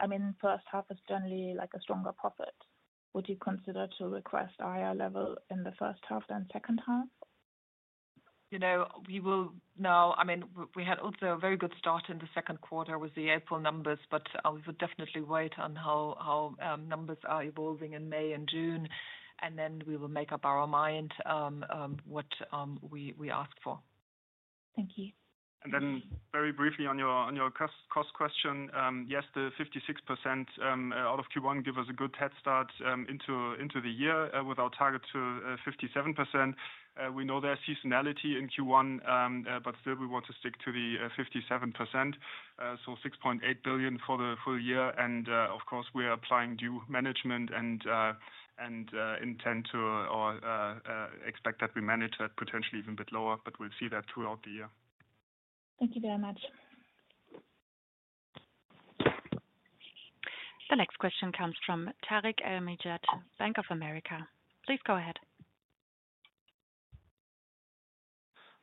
I mean, first half is generally like a stronger profit? Would you consider to request a higher level in the first half than second half? We will now, I mean, we had also a very good start in the second quarter with the April numbers, but we would definitely wait on how numbers are evolving in May and June. Then we will make up our mind what we ask for. Thank you. Very briefly on your cost question, yes, the 56% out of Q1 gives us a good head start into the year with our target to 57%. We know there is seasonality in Q1, but still we want to stick to the 57%. 6.8 billion for the full year. Of course, we are applying due management and intend to or expect that we manage that potentially even a bit lower, but we will see that throughout the year. Thank you very much. The next question comes from Tarek El Mejjad, Bank of America. Please go ahead.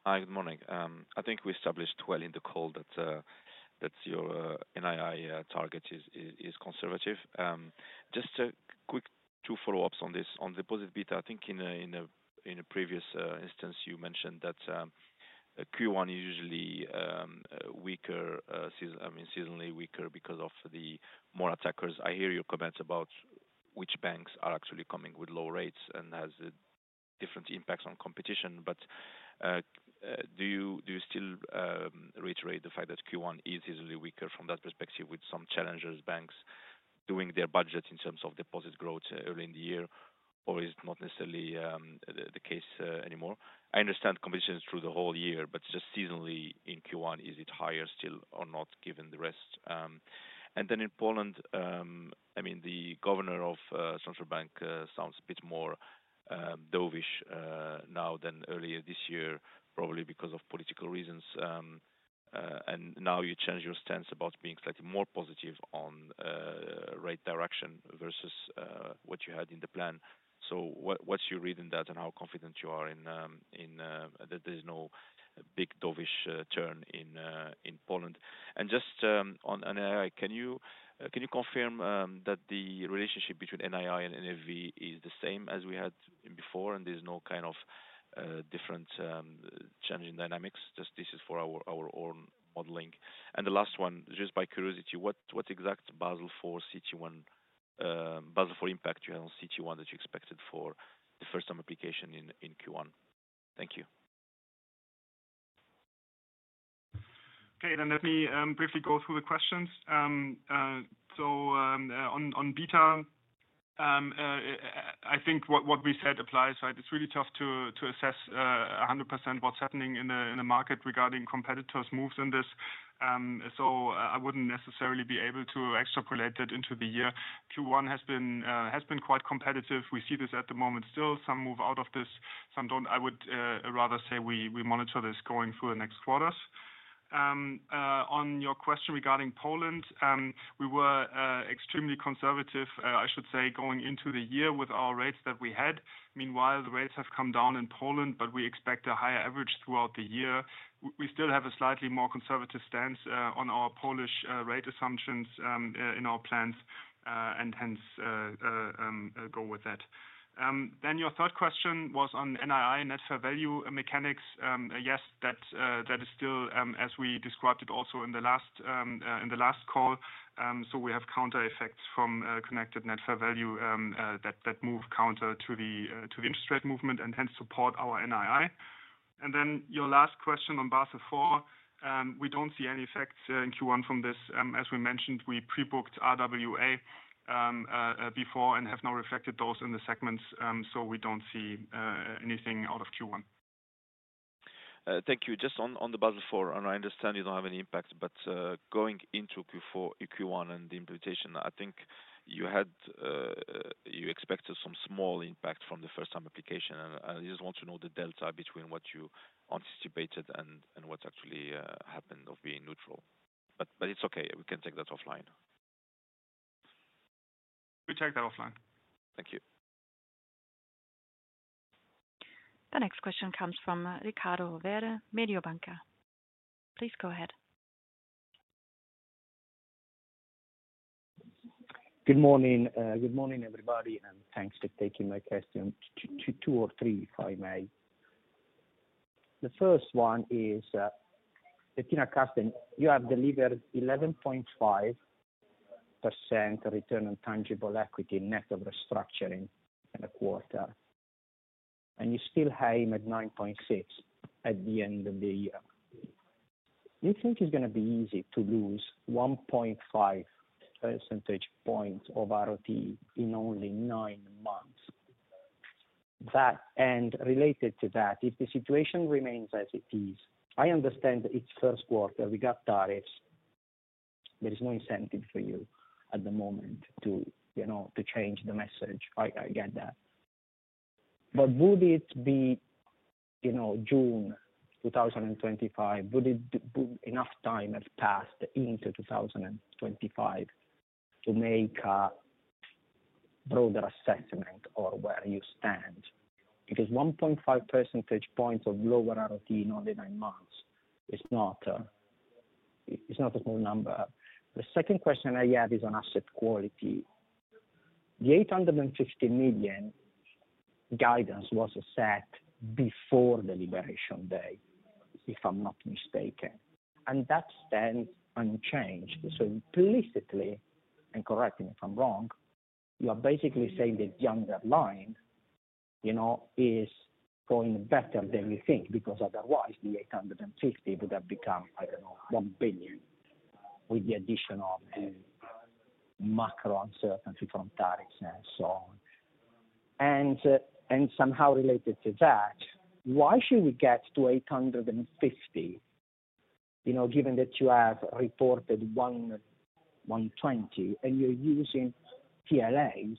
Hi, good morning. I think we established well in the call that your NII target is conservative. Just a quick two follow-ups on this. On deposit beta, I think in a previous instance, you mentioned that Q1 is usually weaker, I mean, seasonally weaker because of the more attackers. I hear your comments about which banks are actually coming with low rates and has different impacts on competition. Do you still reiterate the fact that Q1 is seasonally weaker from that perspective with some challengers, banks doing their budget in terms of deposit growth early in the year, or is it not necessarily the case anymore? I understand competition is through the whole year, just seasonally in Q1, is it higher still or not given the rest? In Poland, I mean, the governor of Central Bank sounds a bit more dovish now than earlier this year, probably because of political reasons. Now you change your stance about being slightly more positive on rate direction versus what you had in the plan. What is your read on that and how confident you are in that there is no big dovish turn in Poland? Just on NII, can you confirm that the relationship between NII and NFV is the same as we had before, and there's no kind of different challenging dynamics? This is for our own modeling. The last one, just by curiosity, what exact Basel IV for CET1, Basel IV impact you had on CET1 that you expected for the first-time application in Q1? Thank you. Okay, let me briefly go through the questions. On beta, I think what we said applies, right? It's really tough to assess 100% what's happening in the market regarding competitors' moves in this. I wouldn't necessarily be able to extrapolate that into the year. Q1 has been quite competitive. We see this at the moment still. Some move out of this. Some don't. I would rather say we monitor this going through the next quarters. On your question regarding Poland, we were extremely conservative, I should say, going into the year with our rates that we had. Meanwhile, the rates have come down in Poland, but we expect a higher average throughout the year. We still have a slightly more conservative stance on our Polish rate assumptions in our plans and hence go with that. Your third question was on NII net fair value mechanics. Yes, that is still, as we described it also in the last call. We have counter effects from connected net fair value that move counter to the interest rate movement and hence support our NII. Your last question on Basel 4, we do not see any effects in Q1 from this. As we mentioned, we pre-booked RWA before and have now reflected those in the segments. We do not see anything out of Q1. Thank you. Just on the Basel 4, I understand you do not have any impact, but going into Q1 and the implementation, I think you expected some small impact from the first-time application. I just want to know the delta between what you anticipated and what actually happened of being neutral. It is okay. We can take that offline. We will take that offline. Thank you. The next question comes from Riccardo Rovere, Mediobanca. Please go ahead. Good morning. Good morning, everybody. Thanks for taking my question. Two or three, if I may. The first one is Bettina, Carsten, you have delivered 11.5% return on tangible equity net of restructuring in a quarter, and you still aim at 9.6% at the end of the year. You think it is going to be easy to lose 1.5 percentage points of ROT in only nine months? Related to that, if the situation remains as it is, I understand that it's first quarter, we got tariffs. There is no incentive for you at the moment to change the message. I get that. Would it be June 2025? Would enough time have Passed into 2025 to make a broader assessment of where you stand? Because 1.5 percentage points of lower ROT in only nine months is not a small number. The second question I have is on asset quality. The 850 million guidance was set before deliberation day, if I'm not mistaken. That stands unchanged. Implicitly, and correct me if I'm wrong, you are basically saying the underlying is going better than you think because otherwise the 850 million would have become, I don't know, 1 billion with the addition of the macro uncertainty from tariffs and so on. Somehow related to that, why should we get to 850 given that you have reported 120 and you're using PLAs?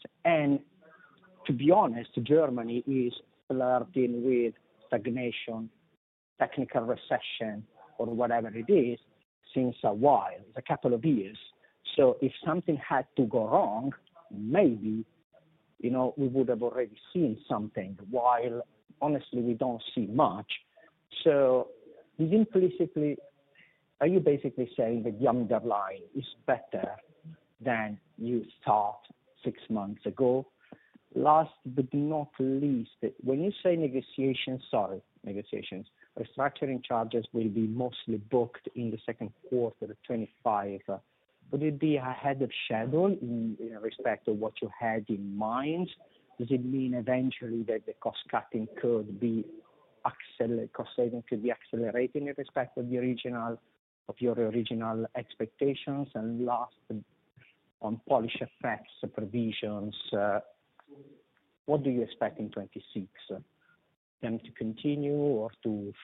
To be honest, Germany is flirting with stagnation, technical recession, or whatever it is since a while, a couple of years. If something had to go wrong, maybe we would have already seen something while, honestly, we do not see much. Implicitly, are you basically saying the younger line is better than you thought six months ago? Last but not least, when you say negotiations, sorry, negotiations, restructuring charges will be mostly booked in the second quarter of 2025. Would it be ahead of schedule in respect to what you had in mind? Does it mean eventually that the cost-cutting could be accelerated, cost-saving could be accelerated in respect of your original expectations? Last, on Polish FX provisions, what do you expect in 2026?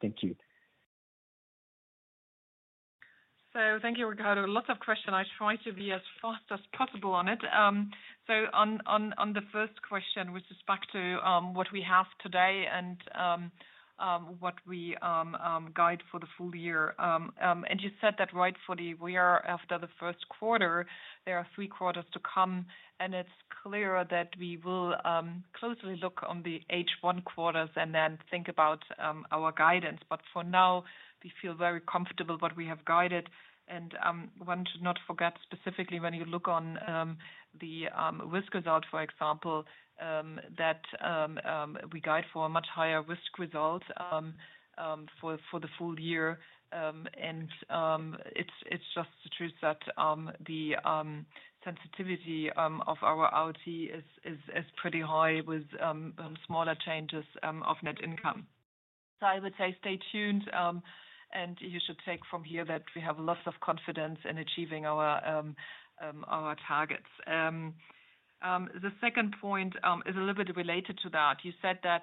Thank you. Thank you, Riccardo. Lots of questions. I try to be as fast as possible on it. On the first question, which is back to what we have today and what we guide for the full year. You said that rightfully we are after the first quarter, there are three quarters to come, and it is clear that we will closely look on the H1 quarters and then think about our guidance. For now, we feel very comfortable with what we have guided. I want to not forget specifically when you look on the risk result, for example, that we guide for a much higher risk result for the full year. It is just the truth that the sensitivity of our ROT is pretty high with smaller changes of net income. I would say stay tuned, and you should take from here that we have lots of confidence in achieving our targets. The second point is a little bit related to that. You said that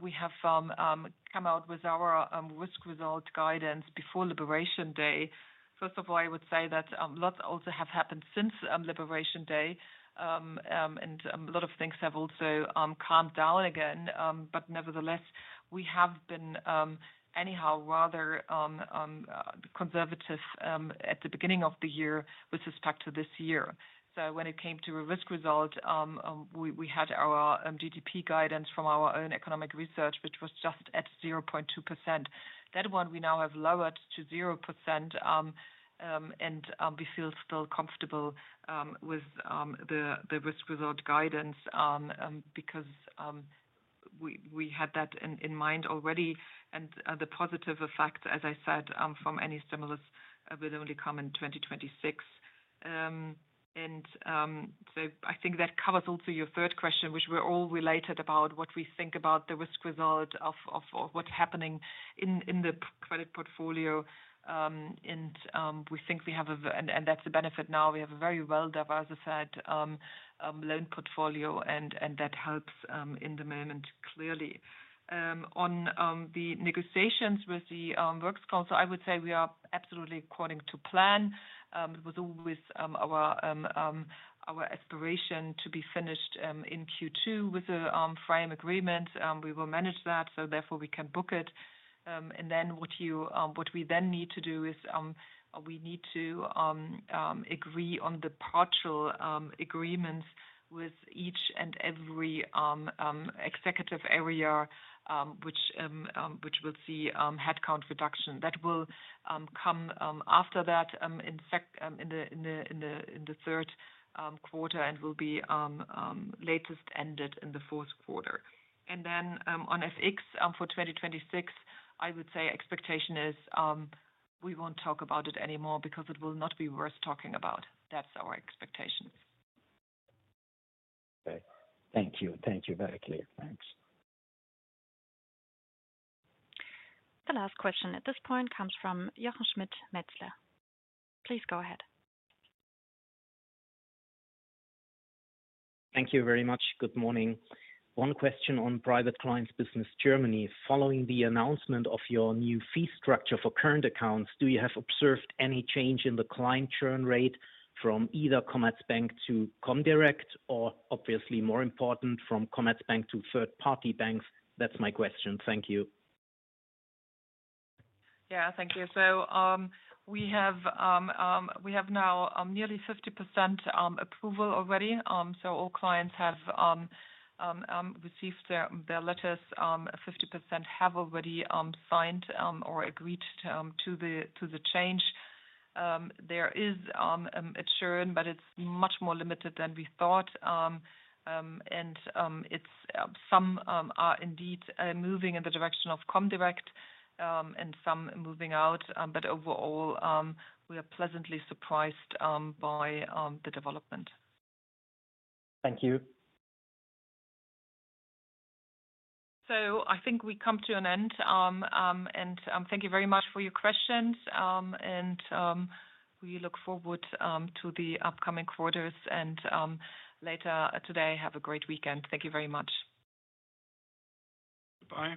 we have come out with our risk result guidance before liberation day. First of all, I would say that lots also have happened since liberation day, and a lot of things have also calmed down again. Nevertheless, we have been any how rather conservative at the beginning of the year with respect to this year. When it came to a risk result, we had our GDP guidance from our own economic research, which was just at 0.2%. That one we now have lowered to 0%, and we feel still comfortable with the risk result guidance because we had that in mind already. The positive effect, as I said, from any stimulus will only come in 2026. I think that covers also your third question, which were all related about what we think about the risk result of what's happening in the credit portfolio. We think we have a, and that's a benefit now. We have a very well-diversified loan portfolio, and that helps in the moment clearly. On the negotiations with the Works Council, I would say we are absolutely according to plan. It was always our Aspiration to be finished in Q2 with a frame agreement. We will manage that, so therefore we can book it. What we then need to do is we need to agree on the partial agreements with each and every executive area, which will see headcount reduction. That will come after that in the third quarter and will be latest ended in the fourth quarter. On FX for 2026, I would say expectation is we will not talk about it anymore because it will not be worth talking about. That is our expectation. Okay. Thank you. Thank you, very clear. Thanks. The last question at this point comes from Jochen Schmitt Metzler. Please go ahead. Thank you very much. Good morning. One question on private clients' business Germany. Following the announcement of your new fee structure for current accounts, have you observed any change in the Client Churn rate from either Commerzbank to Comdirect or, obviously, more important, from Commerzbank to third-party banks? That is my question. Thank you. Yeah, thank you. We have now nearly 50% approval already. All clients have received their letters. 50% have already signed or agreed to the change. There is a churn, but it is much more limited than we thought. Some are indeed moving in the direction of Comdirect and some moving out. Overall, we are pleasantly surprised by the development. Thank you. I think we come to an end. Thank you very much for your questions. We look forward to the upcoming quarters. Later today, have a great weekend. Thank you very much. Bye.